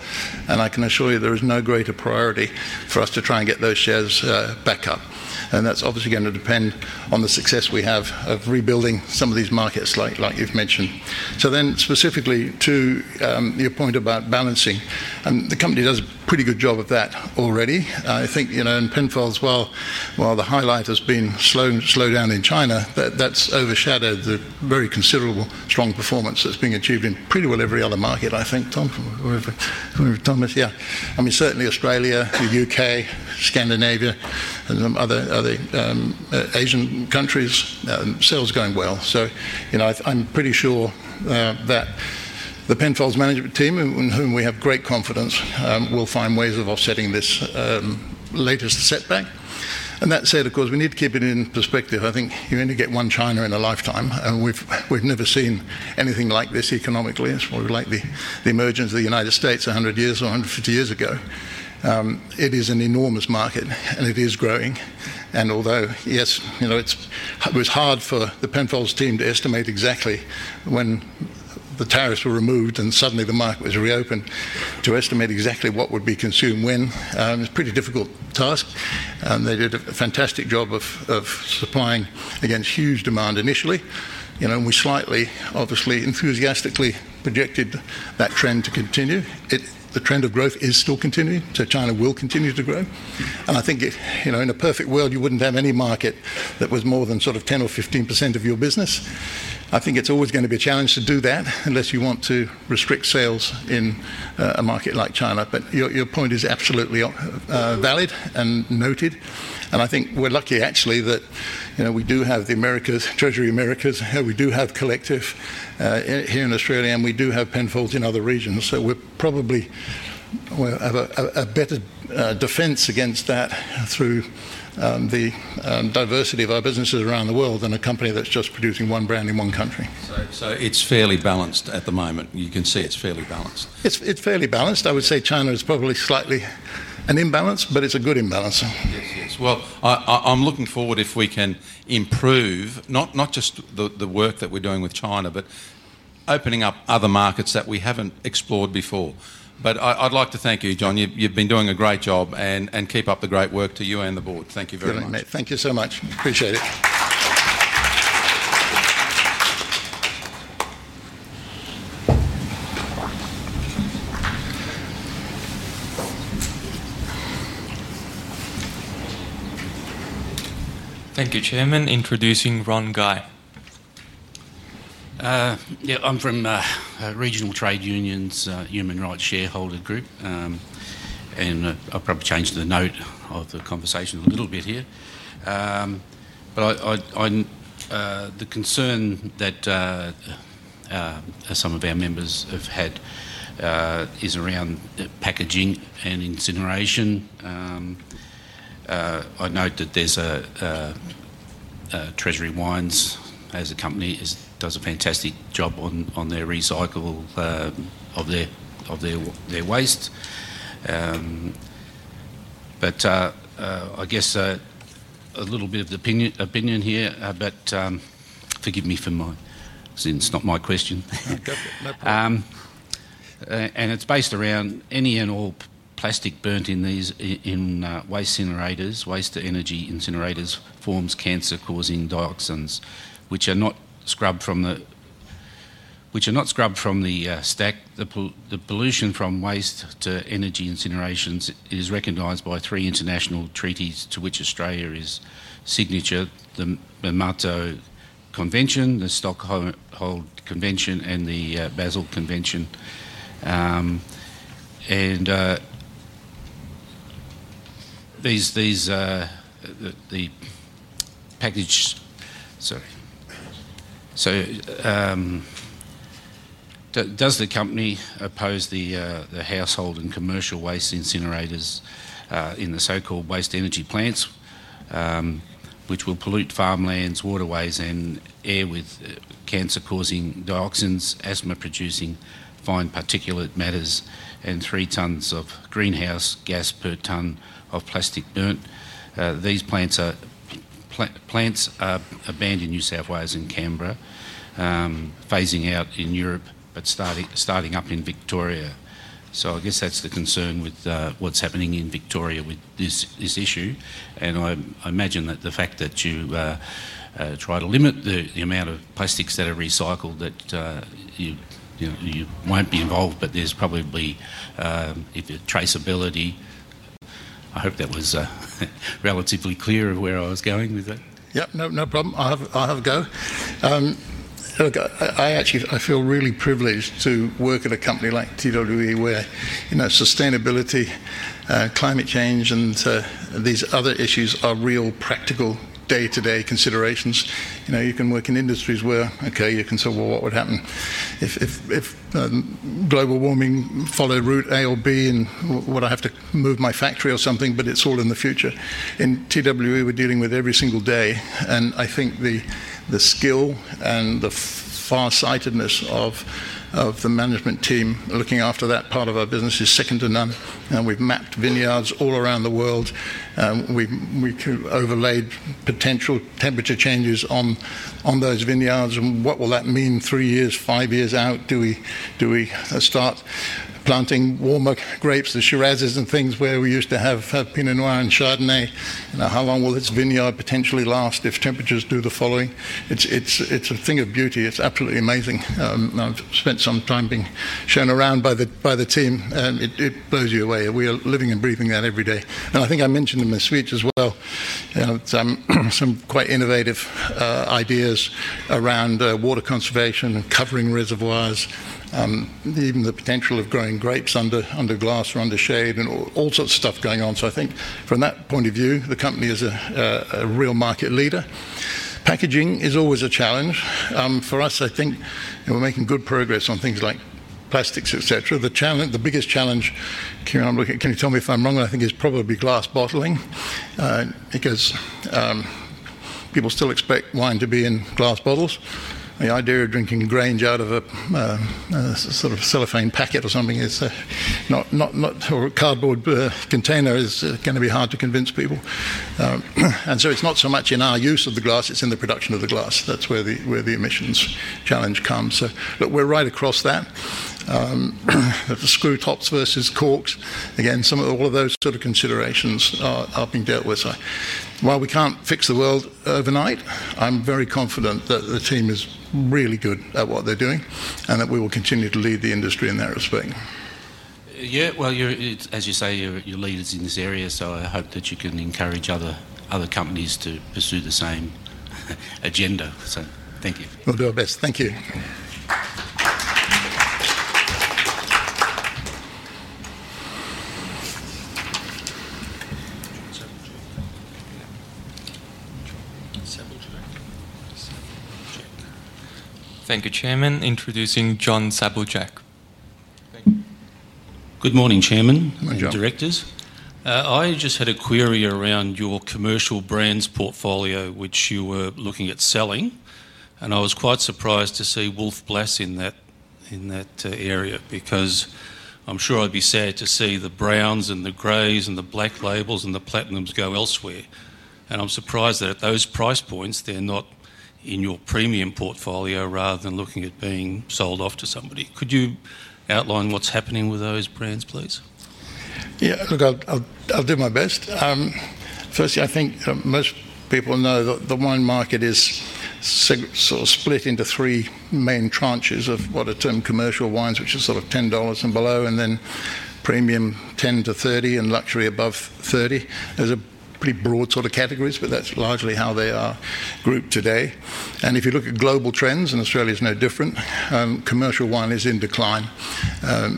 and I can assure you there is no greater priority for us to try and get those shares back up. That's obviously going to depend on the success we have of rebuilding some of these markets, like you've mentioned. Specifically to your point about balancing, the company does a pretty good job of that already. I think, you know, in Penfolds as well, while the highlight has been slowed down in China, that's overshadowed the very considerable strong performance that's being achieved in pretty well every other market, I think. Tom, or if Thomas, yeah. Certainly Australia, the U.K., Scandinavia, and some other Asian countries, sales are going well. I'm pretty sure that the Penfolds management team, in whom we have great confidence, will find ways of offsetting this latest setback. That said, of course, we need to keep it in perspective. I think you only get one China in a lifetime, and we've never seen anything like this economically. It's more like the emergence of the United States 100 years or 150 years ago. It is an enormous market, and it is growing. Although, yes, you know, it was hard for the Penfolds team to estimate exactly when the tariffs were removed and suddenly the market was reopened to estimate exactly what would be consumed when. It's a pretty difficult task. They did a fantastic job of supplying against huge demand initially. We slightly, obviously, enthusiastically projected that trend to continue. The trend of growth is still continuing, so China will continue to grow. I think, you know, in a perfect world, you wouldn't have any market that was more than sort of 10% or 15% of your business. I think it's always going to be a challenge to do that unless you want to restrict sales in a market like China. Your point is absolutely valid and noted. I think we're lucky, actually, that, you know, we do have the Americas, Treasury Americas, we do have Collective here in Australia, and we do have Penfolds in other regions. We're probably have a better defense against that through the diversity of our businesses around the world than a company that's just producing one brand in one country. It's fairly balanced at the moment. You can see it's fairly balanced. It's fairly balanced. I would say China is probably slightly an imbalance, but it's a good imbalance. Yes, yes. I'm looking forward if we can improve, not just the work that we're doing with China, but opening up other markets that we haven't explored before. I'd like to thank you, John. You've been doing a great job and keep up the great work to you and the board. Thank you very much. Thank you so much. Appreciate it. Thank you, Chairman. Introducing Ron Guy. Yeah, I'm from Regional Trade Union's Human Rights Shareholder Group, and I'll probably change the note of the conversation a little bit here. The concern that some of our members have had is around packaging and incineration. I'd note that Treasury Wine Estates as a company does a fantastic job on their recycle of their waste. I guess a little bit of opinion here, but forgive me for my, it's not my question. No problem. It's based around any and all plastic burnt in these waste incinerators. Waste to energy incinerators form cancer-causing dioxins, which are not scrubbed from the stack. The pollution from waste to energy incinerations is recognized by three international treaties to which Australia is a signatory: the Minamata Convention, the Stockholm Convention, and the Basel Convention. Does the company oppose the household and commercial waste incinerators in the so-called waste energy plants, which will pollute farmlands, waterways, and air with cancer-causing dioxins, asthma-producing fine particulate matters, and three tons of greenhouse gas per ton of plastic burnt? These plants are abandoned in New South Wales and Canberra, phasing out in Europe, but starting up in Victoria. That's the concern with what's happening in Victoria with this issue. I imagine that the fact that you try to limit the amount of plastics that are recycled, that you won't be involved, but there's probably, if you're traceability, I hope that was relatively clear of where I was going with that. Yeah, no problem. I'll have a go. I actually feel really privileged to work at a company like TWE where, you know, sustainability, climate change, and these other issues are real practical day-to-day considerations. You know, you can work in industries where, okay, you can say, what would happen if global warming followed route A or B, and would I have to move my factory or something, but it's all in the future? In TWE, we're dealing with it every single day, and I think the skill and the far-sightedness of the management team looking after that part of our business is second to none. We've mapped vineyards all around the world, and we can overlay potential temperature changes on those vineyards, and what will that mean three years, five years out? Do we start planting warmer grapes, the Shiraz and things where we used to have Pinot Noir and Chardonnay? How long will this vineyard potentially last if temperatures do the following? It's a thing of beauty. It's absolutely amazing. I've spent some time being shown around by the team. It blows you away. We are living and breathing that every day. I think I mentioned in the speech as well, you know, some quite innovative ideas around water conservation and covering reservoirs, even the potential of growing grapes under glass or under shade, and all sorts of stuff going on. From that point of view, the company is a real market leader. Packaging is always a challenge. For us, I think we're making good progress on things like plastics, etc. The biggest challenge, can you tell me if I'm wrong, I think is probably glass bottling because people still expect wine to be in glass bottles. The idea of drinking grains out of a sort of cellophane packet or something is not, or a cardboard container is going to be hard to convince people. It's not so much in our use of the glass, it's in the production of the glass. That's where the emissions challenge comes. We're right across that. The screw tops versus corks, again, some of all of those sort of considerations are being dealt with. While we can't fix the world overnight, I'm very confident that the team is really good at what they're doing and that we will continue to lead the industry in that respect. As you say, your lead is in this area, so I hope that you can encourage other companies to pursue the same agenda. Thank you. We'll do our best. Thank you. Thank you, Chairman. Introducing John Sabuljak. Good morning, Chairman. Good morning, John. Directors, I just had a query around your commercial brands portfolio, which you were looking at selling, and I was quite surprised to see Wolf Blass in that area because I'm sure I'd be sad to see the browns and the grays and the black labels and the platinums go elsewhere. I'm surprised that at those price points, they're not in your premium portfolio rather than looking at being sold off to somebody. Could you outline what's happening with those brands, please? Yeah, look, I'll do my best. Firstly, I think most people know that the wine market is sort of split into three main tranches of what are termed commercial wines, which are sort of 10 dollars and below, and then premium 10 to 30 and luxury above 30. These are pretty broad categories, but that's largely how they are grouped today. If you look at global trends, and Australia is no different, commercial wine is in decline,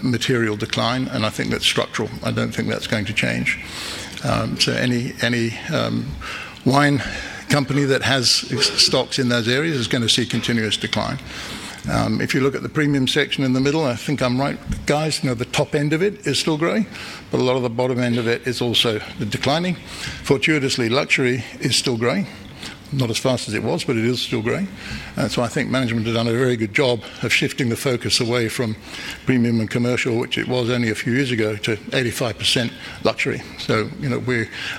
material decline, and I think that's structural. I don't think that's going to change. Any wine company that has stocks in those areas is going to see continuous decline. If you look at the premium section in the middle, I think I'm right, guys, you know, the top end of it is still growing, but a lot of the bottom end of it is also declining. Fortuitously, luxury is still growing, not as fast as it was, but it is still growing. I think management has done a very good job of shifting the focus away from premium and commercial, which it was only a few years ago, to 85% luxury.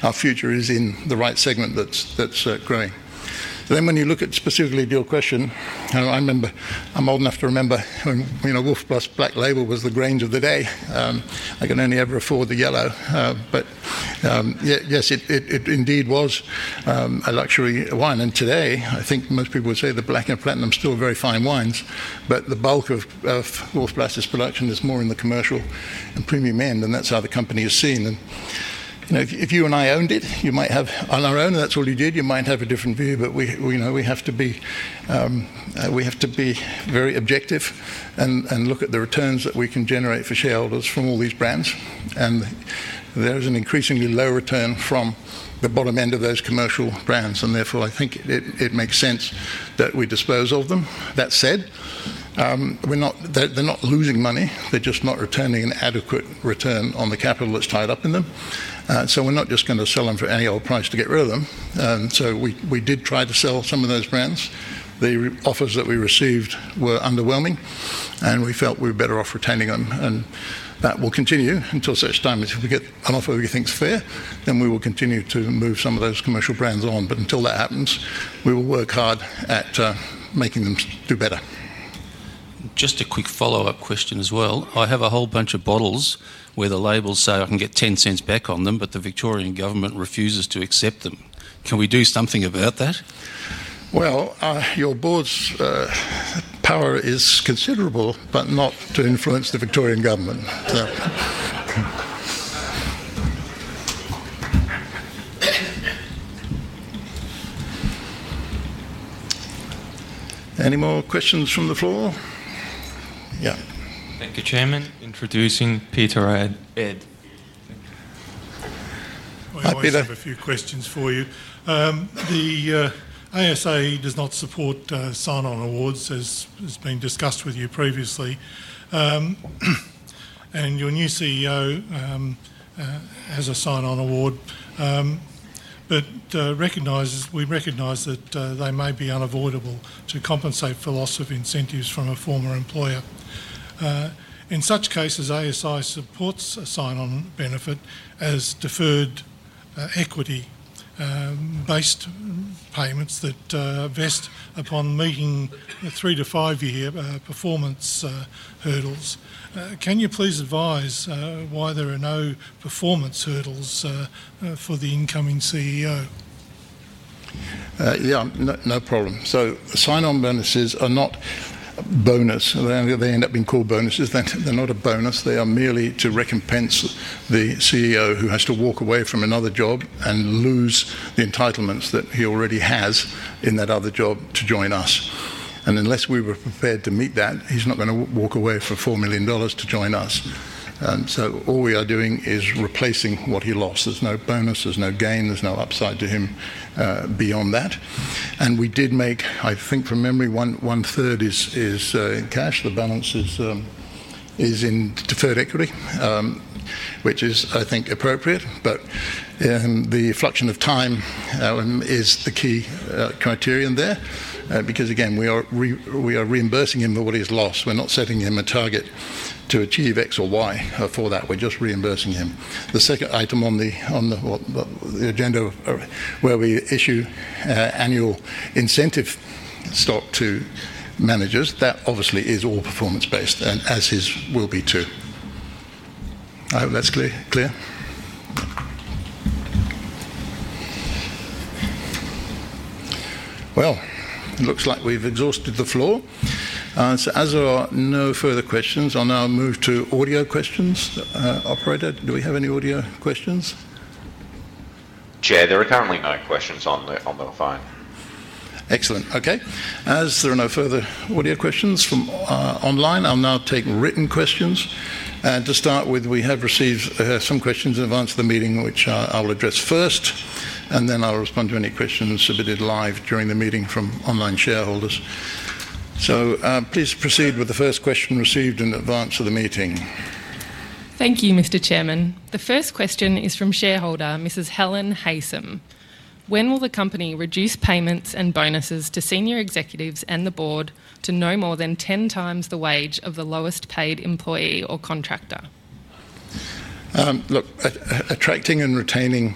Our future is in the right segment that's growing. When you look at specifically your question, I remember, I'm old enough to remember, you know, Wolf Blass black label was the Grange of the day. I could only ever afford the yellow. Yes, it indeed was a luxury wine. Today, I think most people would say the black and platinum are still very fine wines, but the bulk of Wolf Blass's production is more in the commercial and premium end, and that's how the company is seen. If you and I owned it, you might have, on our own, and that's all you did, you might have a different view, but we have to be very objective and look at the returns that we can generate for shareholders from all these brands. There is an increasingly low return from the bottom end of those commercial brands, and therefore I think it makes sense that we dispose of them. That said, they're not losing money. They're just not returning an adequate return on the capital that's tied up in them. We're not just going to sell them for any old price to get rid of them. We did try to sell some of those brands. The offers that we received were underwhelming, and we felt we were better off retaining them. That will continue until such time as if we get an offer we think's fair, then we will continue to move some of those commercial brands on. Until that happens, we will work hard at making them do better. Just a quick follow-up question as well. I have a whole bunch of bottles where the labels say I can get 0.10 back on them, but the Victorian government refuses to accept them. Can we do something about that? Your board's power is considerable, but not to influence the Victorian government. Any more questions from the floor? Yeah. Thank you, Chairman. Introducing [Peter Neilson]. Thank you. I have a few questions for you. The ASA does not support sign-on awards, as has been discussed with you previously. Your new CEO has a sign-on award, but we recognize that they may be unavoidable to compensate for loss of incentives from a former employer. In such cases, ASA supports a sign-on benefit as deferred equity-based payments that vest upon meeting three to five-year performance hurdles. Can you please advise why there are no performance hurdles for the incoming CEO? Yeah, no problem. Sign-on bonuses are not bonuses. They end up being called bonuses. They're not a bonus. They are merely to recompense the CEO who has to walk away from another job and lose the entitlements that he already has in that other job to join us. Unless we were prepared to meet that, he's not going to walk away for 4 million dollars to join us. All we are doing is replacing what he lost. There's no bonus. There's no gain. There's no upside to him beyond that. We did make, I think from memory, one third is in cash. The balance is in deferred equity, which is, I think, appropriate. The fluctuation of time is the key criterion there because, again, we are reimbursing him for what he's lost. We're not setting him a target to achieve X or Y for that. We're just reimbursing him. The second item on the agenda where we issue annual incentive stock to managers, that obviously is all performance-based and as his will be too. I hope that's clear. It looks like we've exhausted the floor. As there are no further questions, I'll now move to audio questions. Operator, do we have any audio questions? Chair, there are currently no questions on the phone. Excellent. Okay. As there are no further audio questions from online, I'll now take written questions. To start with, we have received some questions in advance of the meeting, which I will address first. I'll respond to any questions submitted live during the meeting from online shareholders. Please proceed with the first question received in advance of the meeting. Thank you, Mr. Chairman. The first question is from shareholder Mrs. Helen Hayesom. When will the company reduce payments and bonuses to senior executives and the board to no more than 10x the wage of the lowest paid employee or contractor? Attracting and retaining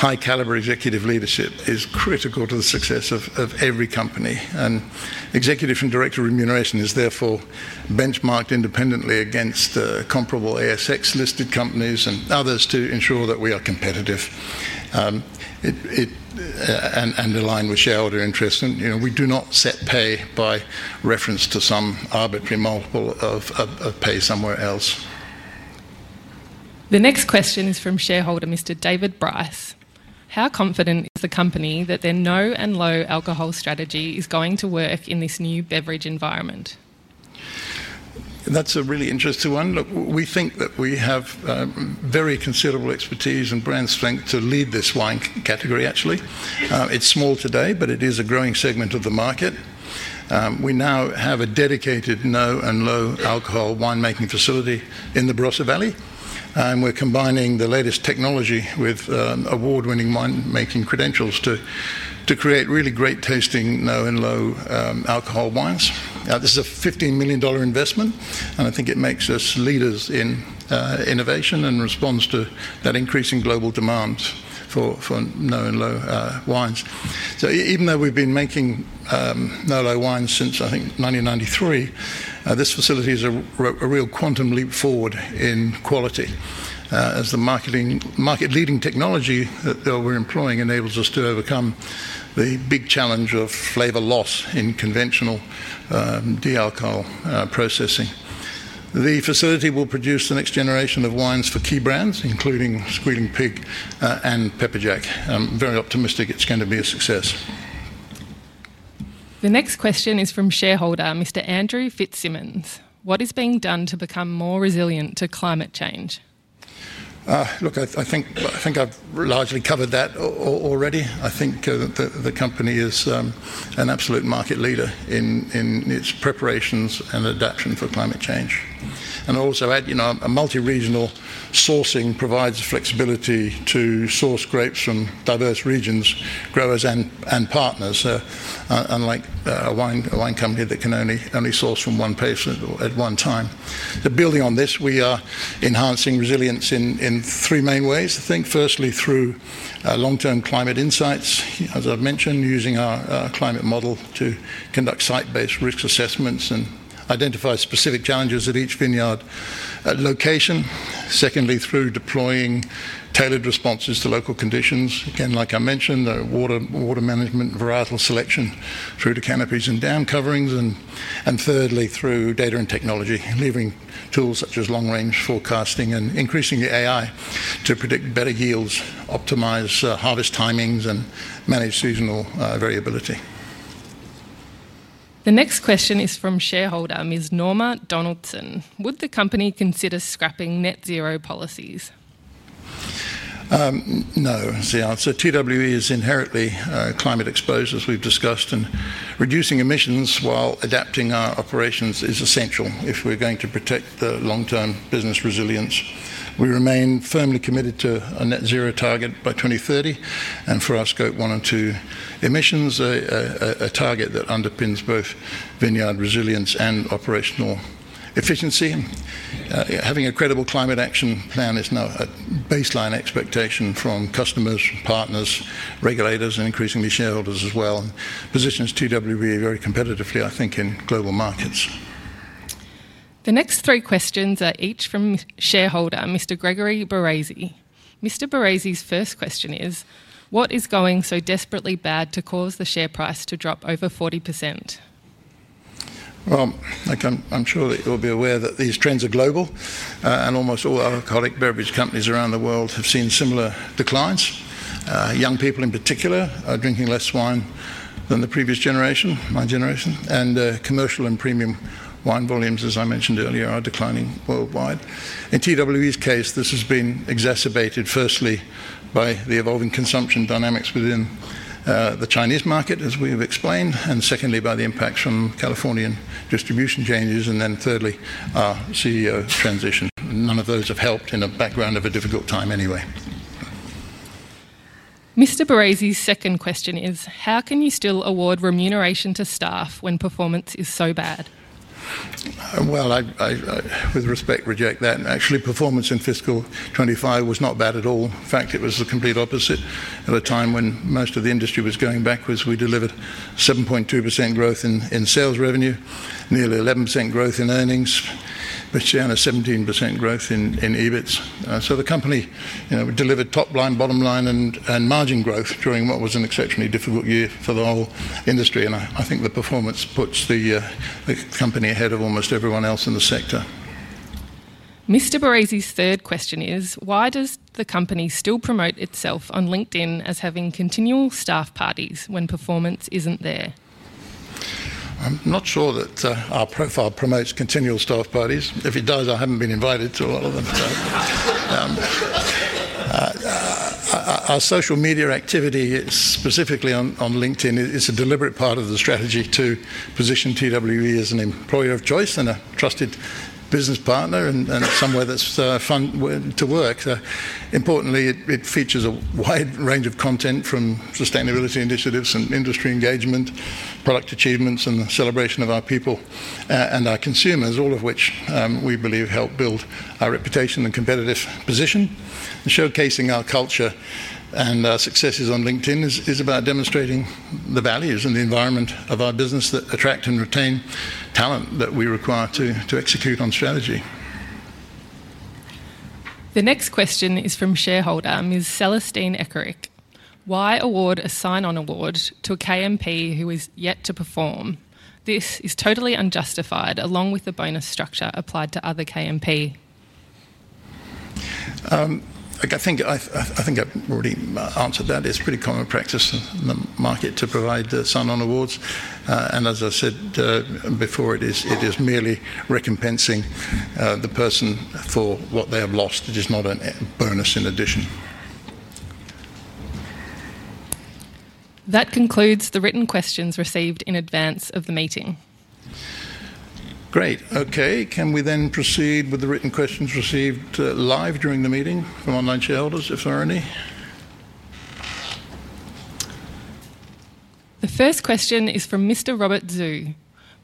high-caliber executive leadership is critical to the success of every company. Executive and director remuneration is therefore benchmarked independently against comparable ASX listed companies and others to ensure that we are competitive and aligned with shareholder interests. We do not set pay by reference to some arbitrary multiple of pay somewhere else. The next question is from shareholder Mr. David Bryce. How confident is the company that their no- and low-alcohol strategy is going to work in this new beverage environment? That's a really interesting one. Look, we think that we have very considerable expertise and brand strength to lead this wine category, actually. It's small today, but it is a growing segment of the market. We now have a dedicated no- and low-alcohol winemaking facility in the Barossa Valley, and we're combining the latest technology with award-winning winemaking credentials to create really great tasting no- and low-alcohol wines. This is a 15 million dollar investment, and I think it makes us leaders in innovation and responds to that increasing global demand for no- and low-alcohol wines. Even though we've been making no- and low-alcohol wines since, I think, 1993, this facility is a real quantum leap forward in quality as the market-leading technology that we're employing enables us to overcome the big challenge of flavor loss in conventional dealco processing. The facility will produce the next generation of wines for key brands, including Squealing Pig and Pepper Jack. I'm very optimistic it's going to be a success. The next question is from shareholder Mr. Andrew Fitzsimmons. What is being done to become more resilient to climate change? Look, I think I've largely covered that already. I think the company is an absolute market leader in its preparations and adaptation for climate change. I'll also add, you know, a multi-regional sourcing provides flexibility to source grapes from diverse regions, growers, and partners, unlike a wine company that can only source from one place at one time. Building on this, we are enhancing resilience in three main ways, I think. Firstly, through long-term climate insights, as I've mentioned, using our climate model to conduct site-based risk assessments and identify specific challenges at each vineyard location. Secondly, through deploying tailored responses to local conditions, again, like I mentioned, the water management, varietal selection through to canopies and down coverings. Thirdly, through data and technology, levering tools such as long-range forecasting and increasing the AI to predict better yields, optimize harvest timings, and manage seasonal variability. The next question is from shareholder Ms. Norma Donaldson. Would the company consider scrapping net zero policies? No, it's the answer. TWE is inherently climate exposed, as we've discussed, and reducing emissions while adapting operations is essential if we're going to protect the long-term business resilience. We remain firmly committed to a net zero target by 2030 for our scope one and two emissions, a target that underpins both vineyard resilience and operational efficiency. Having a credible climate action plan is now a baseline expectation from customers, partners, regulators, and increasingly shareholders as well, and positions TWE very competitively, I think, in global markets. The next three questions are each from shareholder Mr. Gregory Baresi. Mr. Baresi's first question is: What is going so desperately bad to cause the share price to drop over 40%? I'm sure that you'll be aware that these trends are global, and almost all the alcoholic beverage companies around the world have seen similar declines. Young people, in particular, are drinking less wine than the previous generation, my generation, and commercial and premium wine volumes, as I mentioned earlier, are declining worldwide. In TWE's case, this has been exacerbated, firstly, by the evolving consumption dynamics within the Chinese market, as we've explained, and secondly, by the impacts from California distribution changes, and thirdly, our CEO transition. None of those have helped in a background of a difficult time anyway. Mr. Baresi's second question is: How can you still award remuneration to staff when performance is so bad? I, with respect, reject that. Actually, performance in fiscal 2025 was not bad at all. In fact, it was the complete opposite. At a time when most of the industry was going backwards, we delivered 7.2% growth in sales revenue, nearly 11% growth in earnings, but shy of 17% growth in EBIT. The company, you know, delivered top line, bottom line, and margin growth during what was an exceptionally difficult year for the whole industry, and I think the performance puts the company ahead of almost everyone else in the sector. Mr. Baresi's third question is: Why does the company still promote itself on LinkedIn as having continual staff parties when performance isn't there? I'm not sure that our profile promotes continual staff parties. If it does, I haven't been invited to a lot of them. Our social media activity, specifically on LinkedIn, is a deliberate part of the strategy to position TWE as an employer of choice and a trusted business partner and somewhere that's fun to work. Importantly, it features a wide range of content from sustainability initiatives and industry engagement, product achievements, and the celebration of our people and our consumers, all of which we believe help build our reputation and competitive position. Showcasing our culture and our successes on LinkedIn is about demonstrating the values and the environment of our business that attract and retain talent that we require to execute on strategy. The next question is from shareholder Ms. Celestine Eckerick: Why award a sign-on award to a KMP who is yet to perform? This is totally unjustified, along with the bonus structure applied to other KMP. I think I've already answered that. It's pretty common practice in the market to provide sign-on awards, and as I said before, it is merely recompensing the person for what they have lost. It is not a bonus in addition. That concludes the written questions received in advance of the meeting. Great. Okay, can we then proceed with the written questions received live during the meeting from online shareholders, if there are any? The first question is from Mr. Robert Zhou.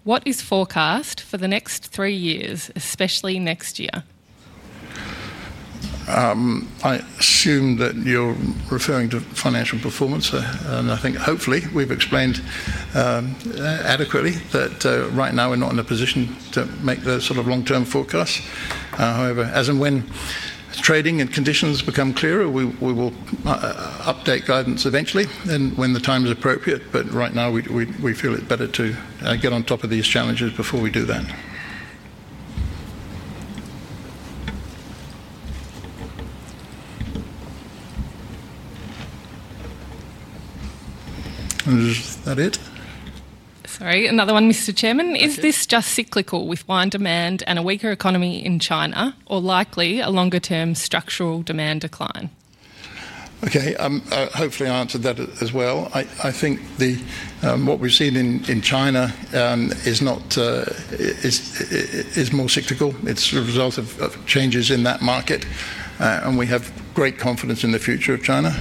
What is forecast for the next three years, especially next year? I assume that you're referring to financial performance, and I think hopefully we've explained adequately that right now we're not in a position to make the sort of long-term forecasts. However, as and when trading and conditions become clearer, we will update guidance eventually and when the time is appropriate, but right now we feel it's better to get on top of these challenges before we do that. Is that it? Sorry, another one, Mr. Chairman. Is this just cyclical with wine demand and a weaker economy in China, or likely a longer-term structural demand decline? Okay, I've hopefully answered that as well. I think what we've seen in China is more cyclical. It's the result of changes in that market, and we have great confidence in the future of China.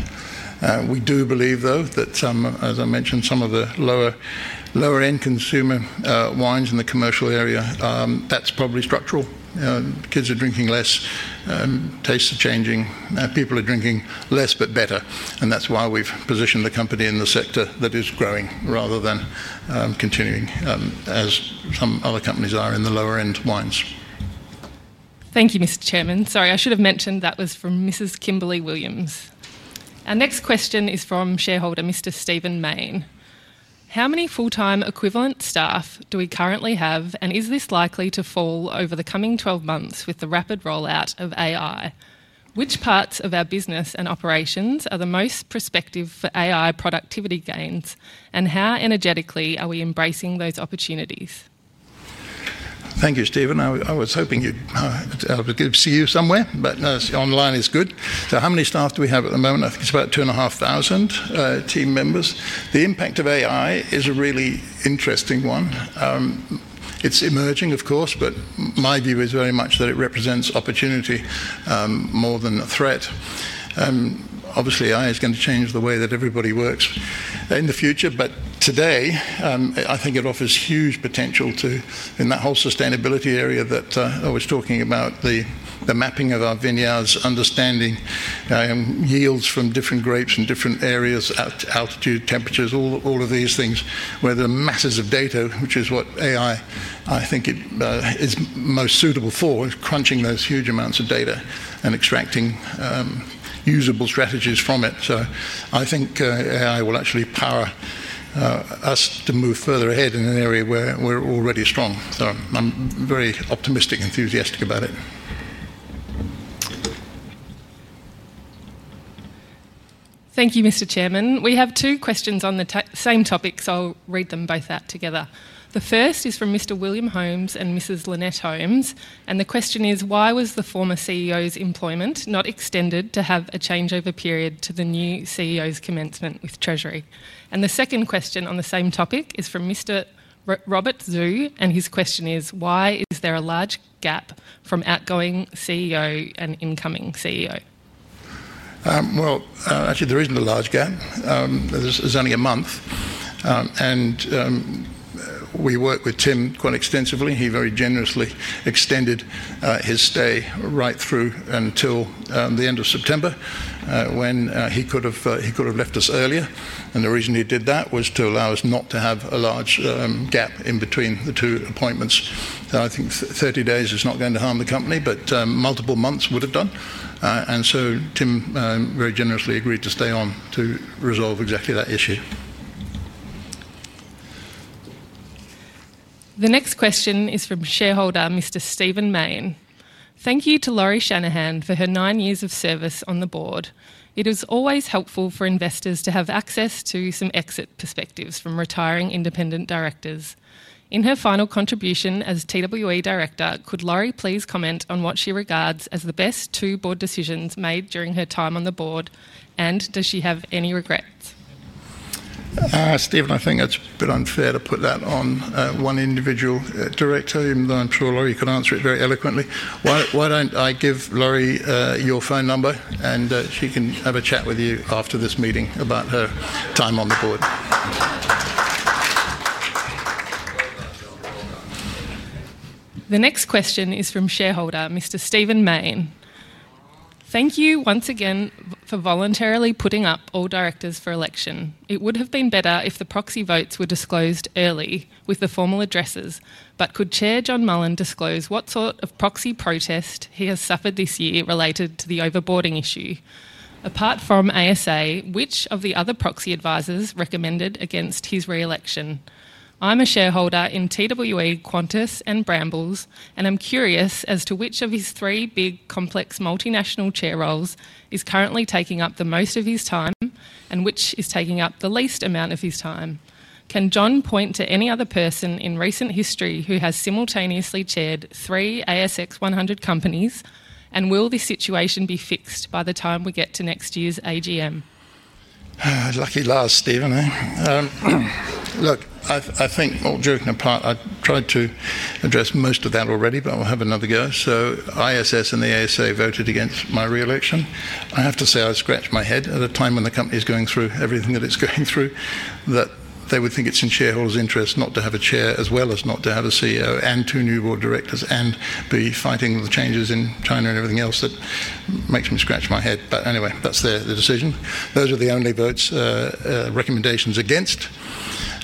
We do believe, though, that some, as I mentioned, some of the lower-end consumer wines in the commercial area, that's probably structural. Kids are drinking less, tastes are changing, people are drinking less but better, and that's why we've positioned the company in the sector that is growing rather than continuing as some other companies are in the lower-end wines. Thank you, Mr. Chairman. Sorry, I should have mentioned that was from Mrs. Kimberly Williams. Our next question is from shareholder Mr. Stephen Mayne. How many full-time equivalent staff do we currently have, and is this likely to fall over the coming 12 months with the rapid rollout of AI? Which parts of our business and operations are the most prospective for AI productivity gains, and how energetically are we embracing those opportunities? Thank you, Stephen. I was hoping I'd see you somewhere, but online is good. How many staff do we have at the moment? I think it's about 2,500 team members. The impact of AI is a really interesting one. It's emerging, of course, but my view is very much that it represents opportunity more than a threat. Obviously, AI is going to change the way that everybody works in the future. Today I think it offers huge potential in that whole sustainability area that I was talking about, the mapping of our vineyards, understanding yields from different grapes in different areas, altitude, temperatures, all of these things, where there are masses of data, which is what AI, I think, is most suitable for, crunching those huge amounts of data and extracting usable strategies from it. I think AI will actually empower us to move further ahead in an area where we're already strong. I'm very optimistic, enthusiastic about it. Thank you, Mr. Chairman. We have two questions on the same topic, so I'll read them both out together. The first is from Mr. William Holmes and Mrs. Lynette Holmes, and the question is: Why was the former CEO's employment not extended to have a changeover period to the new CEO's commencement with Treasury? The second question on the same topic is from Mr. Robert Zhou, and his question is: Why is there a large gap from outgoing CEO and incoming CEO? Actually, there isn't a large gap. There's only a month, and we worked with Tim quite extensively, and he very generously extended his stay right through until the end of September when he could have left us earlier. The reason he did that was to allow us not to have a large gap in between the two appointments. I think 30 days is not going to harm the company, but multiple months would have done, and Tim very generously agreed to stay on to resolve exactly that issue. The next question is from shareholder Mr. Stephen Mayne. Thank you to Lauri Shanahan for her nine years of service on the board. It is always helpful for investors to have access to some exit perspectives from retiring independent directors. In her final contribution as TWE Director, could Lauri please comment on what she regards as the best two board decisions made during her time on the board, and does she have any regrets? Stephen, I think it's a bit unfair to put that on one individual director, even though I'm sure Lauri could answer it very eloquently. Why don't I give Lauri your phone number, and she can have a chat with you after this meeting about her time on the board? The next question is from shareholder Mr. Stephen Mayne. Thank you once again for voluntarily putting up all directors for election. It would have been better if the proxy votes were disclosed early with the formal addresses, but could Chair John Mullen disclose what sort of proxy protest he has suffered this year related to the overboarding issue? Apart from ASA, which of the other proxy advisors recommended against his reelection? I'm a shareholder in TWE, Qantas and Brambles, and I'm curious as to which of his three big complex multinational chair roles is currently taking up the most of his time and which is taking up the least amount of his time. Can John point to any other person in recent history who has simultaneously chaired three ASX 100 companies, and will this situation be fixed by the time we get to next year's AGM? Lucky last, Stephen. I think, joking apart, I tried to address most of that already, but I'll have another go. ISS and the ASA voted against my reelection. I have to say I scratch my head at a time when the company is going through everything that it's going through that they would think it's in shareholders' interest not to have a Chair as well as not to have a CEO and two new board directors and be fighting the changes in China and everything else that makes me scratch my head. Anyway, that's the decision. Those are the only vote recommendations against.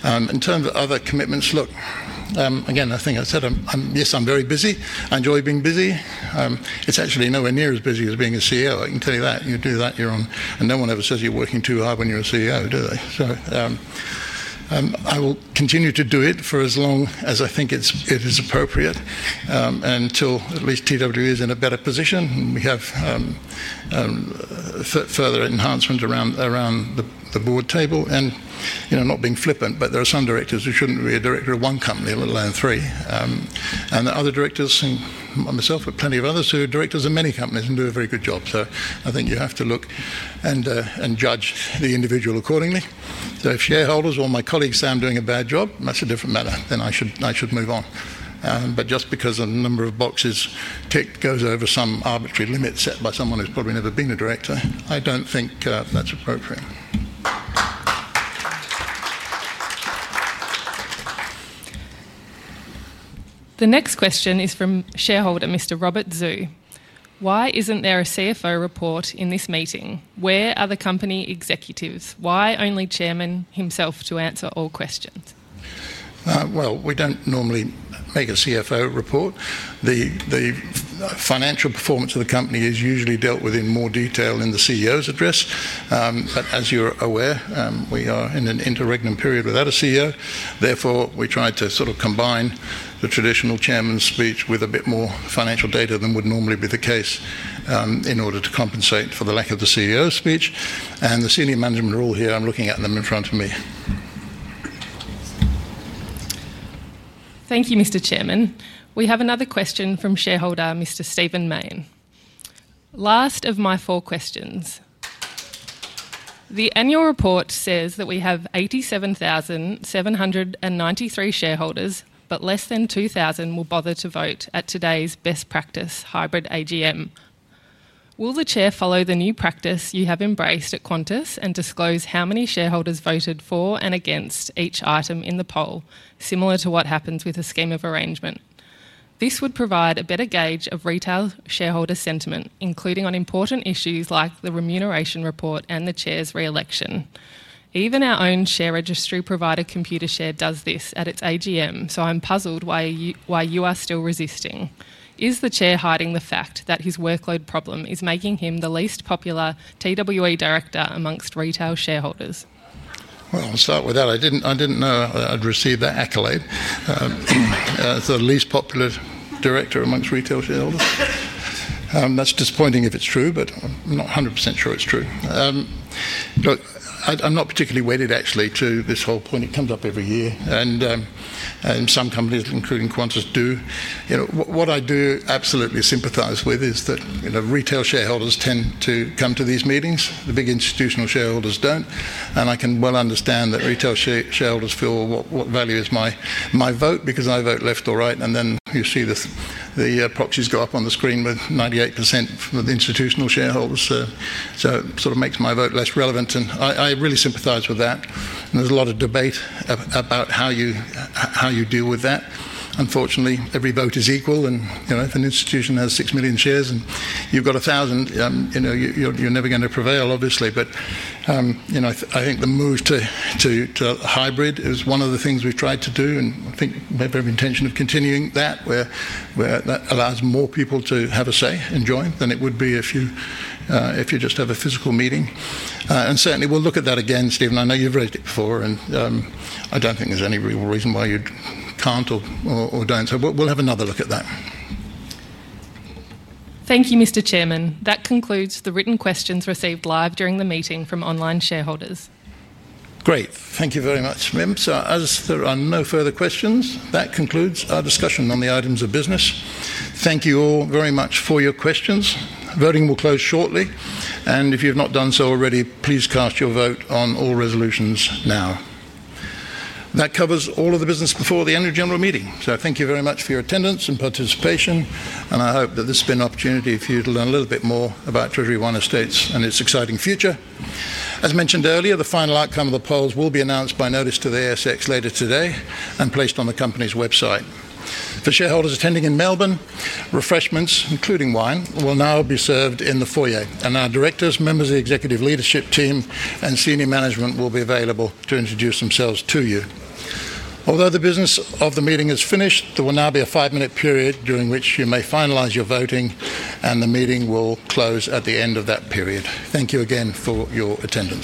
In terms of other commitments, I think I said I'm, yes, I'm very busy. I enjoy being busy. It's actually nowhere near as busy as being a CEO, I can tell you that. You do that, you're on, and no one ever says you're working too hard when you're a CEO, do they? I will continue to do it for as long as I think it is appropriate until at least TWE is in a better position and we have further enhancements around the board table. Not being flippant, but there are some directors who shouldn't be a director of one company let alone three. The other directors, and myself, but plenty of others who are directors of many companies and do a very good job. I think you have to look and judge the individual accordingly. If shareholders or my colleagues say I'm doing a bad job, that's a different matter, then I should move on. Just because a number of boxes ticked goes over some arbitrary limit set by someone who's probably never been a director, I don't think that's appropriate. The next question is from shareholder Mr. Robert Zhou. Why isn't there a CFO report in this meeting? Where are the company executives? Why only Chairman himself to answer all questions? We don't normally make a CFO report. The financial performance of the company is usually dealt with in more detail in the CEO's address, but as you're aware, we are in an interregnum period without a CEO. Therefore, we try to sort of combine the traditional Chairman's speech with a bit more financial data than would normally be the case in order to compensate for the lack of the CEO's speech. The senior management rule here, I'm looking at them in front of me. Thank you, Mr. Chairman. We have another question from shareholder Mr. Stephen Mayne. Last of my four questions. The annual report says that we have 87,793 shareholders, but less than 2,000 will bother to vote at today's best practice hybrid AGM. Will the Chair follow the new practice you have embraced at Qantas and disclose how many shareholders voted for and against each item in the poll, similar to what happens with a scheme of arrangement? This would provide a better gauge of retail shareholder sentiment, including on important issues like the remuneration report and the Chair's reelection. Even our own share registry provider Computershare does this at its AGM, so I'm puzzled why you are still resisting. Is the Chair hiding the fact that his workload problem is making him the least popular TWE Director amongst retail shareholders? I didn't know I'd received that accolade. The least popular Director amongst retail shareholders? That's disappointing if it's true, but I'm not 100% sure it's true. I'm not particularly wedded, actually, to this whole point. It comes up every year, and some companies, including Qantas, do. What I do absolutely sympathize with is that retail shareholders tend to come to these meetings. The big institutional shareholders don't, and I can well understand that retail shareholders feel, what value is my vote? Because I vote left or right, and then you see the proxies go up on the screen with 98% for the institutional shareholders. It sort of makes my vote less relevant, and I really sympathize with that. There's a lot of debate about how you deal with that. Unfortunately, every vote is equal, and if an institution has 6 million shares and you've got 1,000, you're never going to prevail, obviously. I think the move to hybrid is one of the things we've tried to do, and I think we have every intention of continuing that, where that allows more people to have a say and join than it would be if you just have a physical meeting. Certainly, we'll look at that again, Stephen. I know you've raised it before, and I don't think there's any real reason why you can't or don't, so we'll have another look at that. Thank you, Mr. Chairman. That concludes the written questions received live during the meeting from online shareholders. Great, thank you very much, Mim. As there are no further questions, that concludes our discussion on the items of business. Thank you all very much for your questions. Voting will close shortly, and if you've not done so already, please cast your vote on all resolutions now. That covers all of the business before the Annual General Meeting, thank you very much for your attendance and participation, and I hope that this has been an opportunity for you to learn a little bit more about Treasury Wine Estates and its exciting future. As mentioned earlier, the final outcome of the polls will be announced by notice to the ASX later today and placed on the company's website. For shareholders attending in Melbourne, refreshments, including wine, will now be served in the foyer, and our directors, members of the Executive Leadership Team, and senior management will be available to introduce themselves to you. Although the business of the meeting is finished, there will now be a five-minute period during which you may finalize your voting, and the meeting will close at the end of that period. Thank you again for your attendance.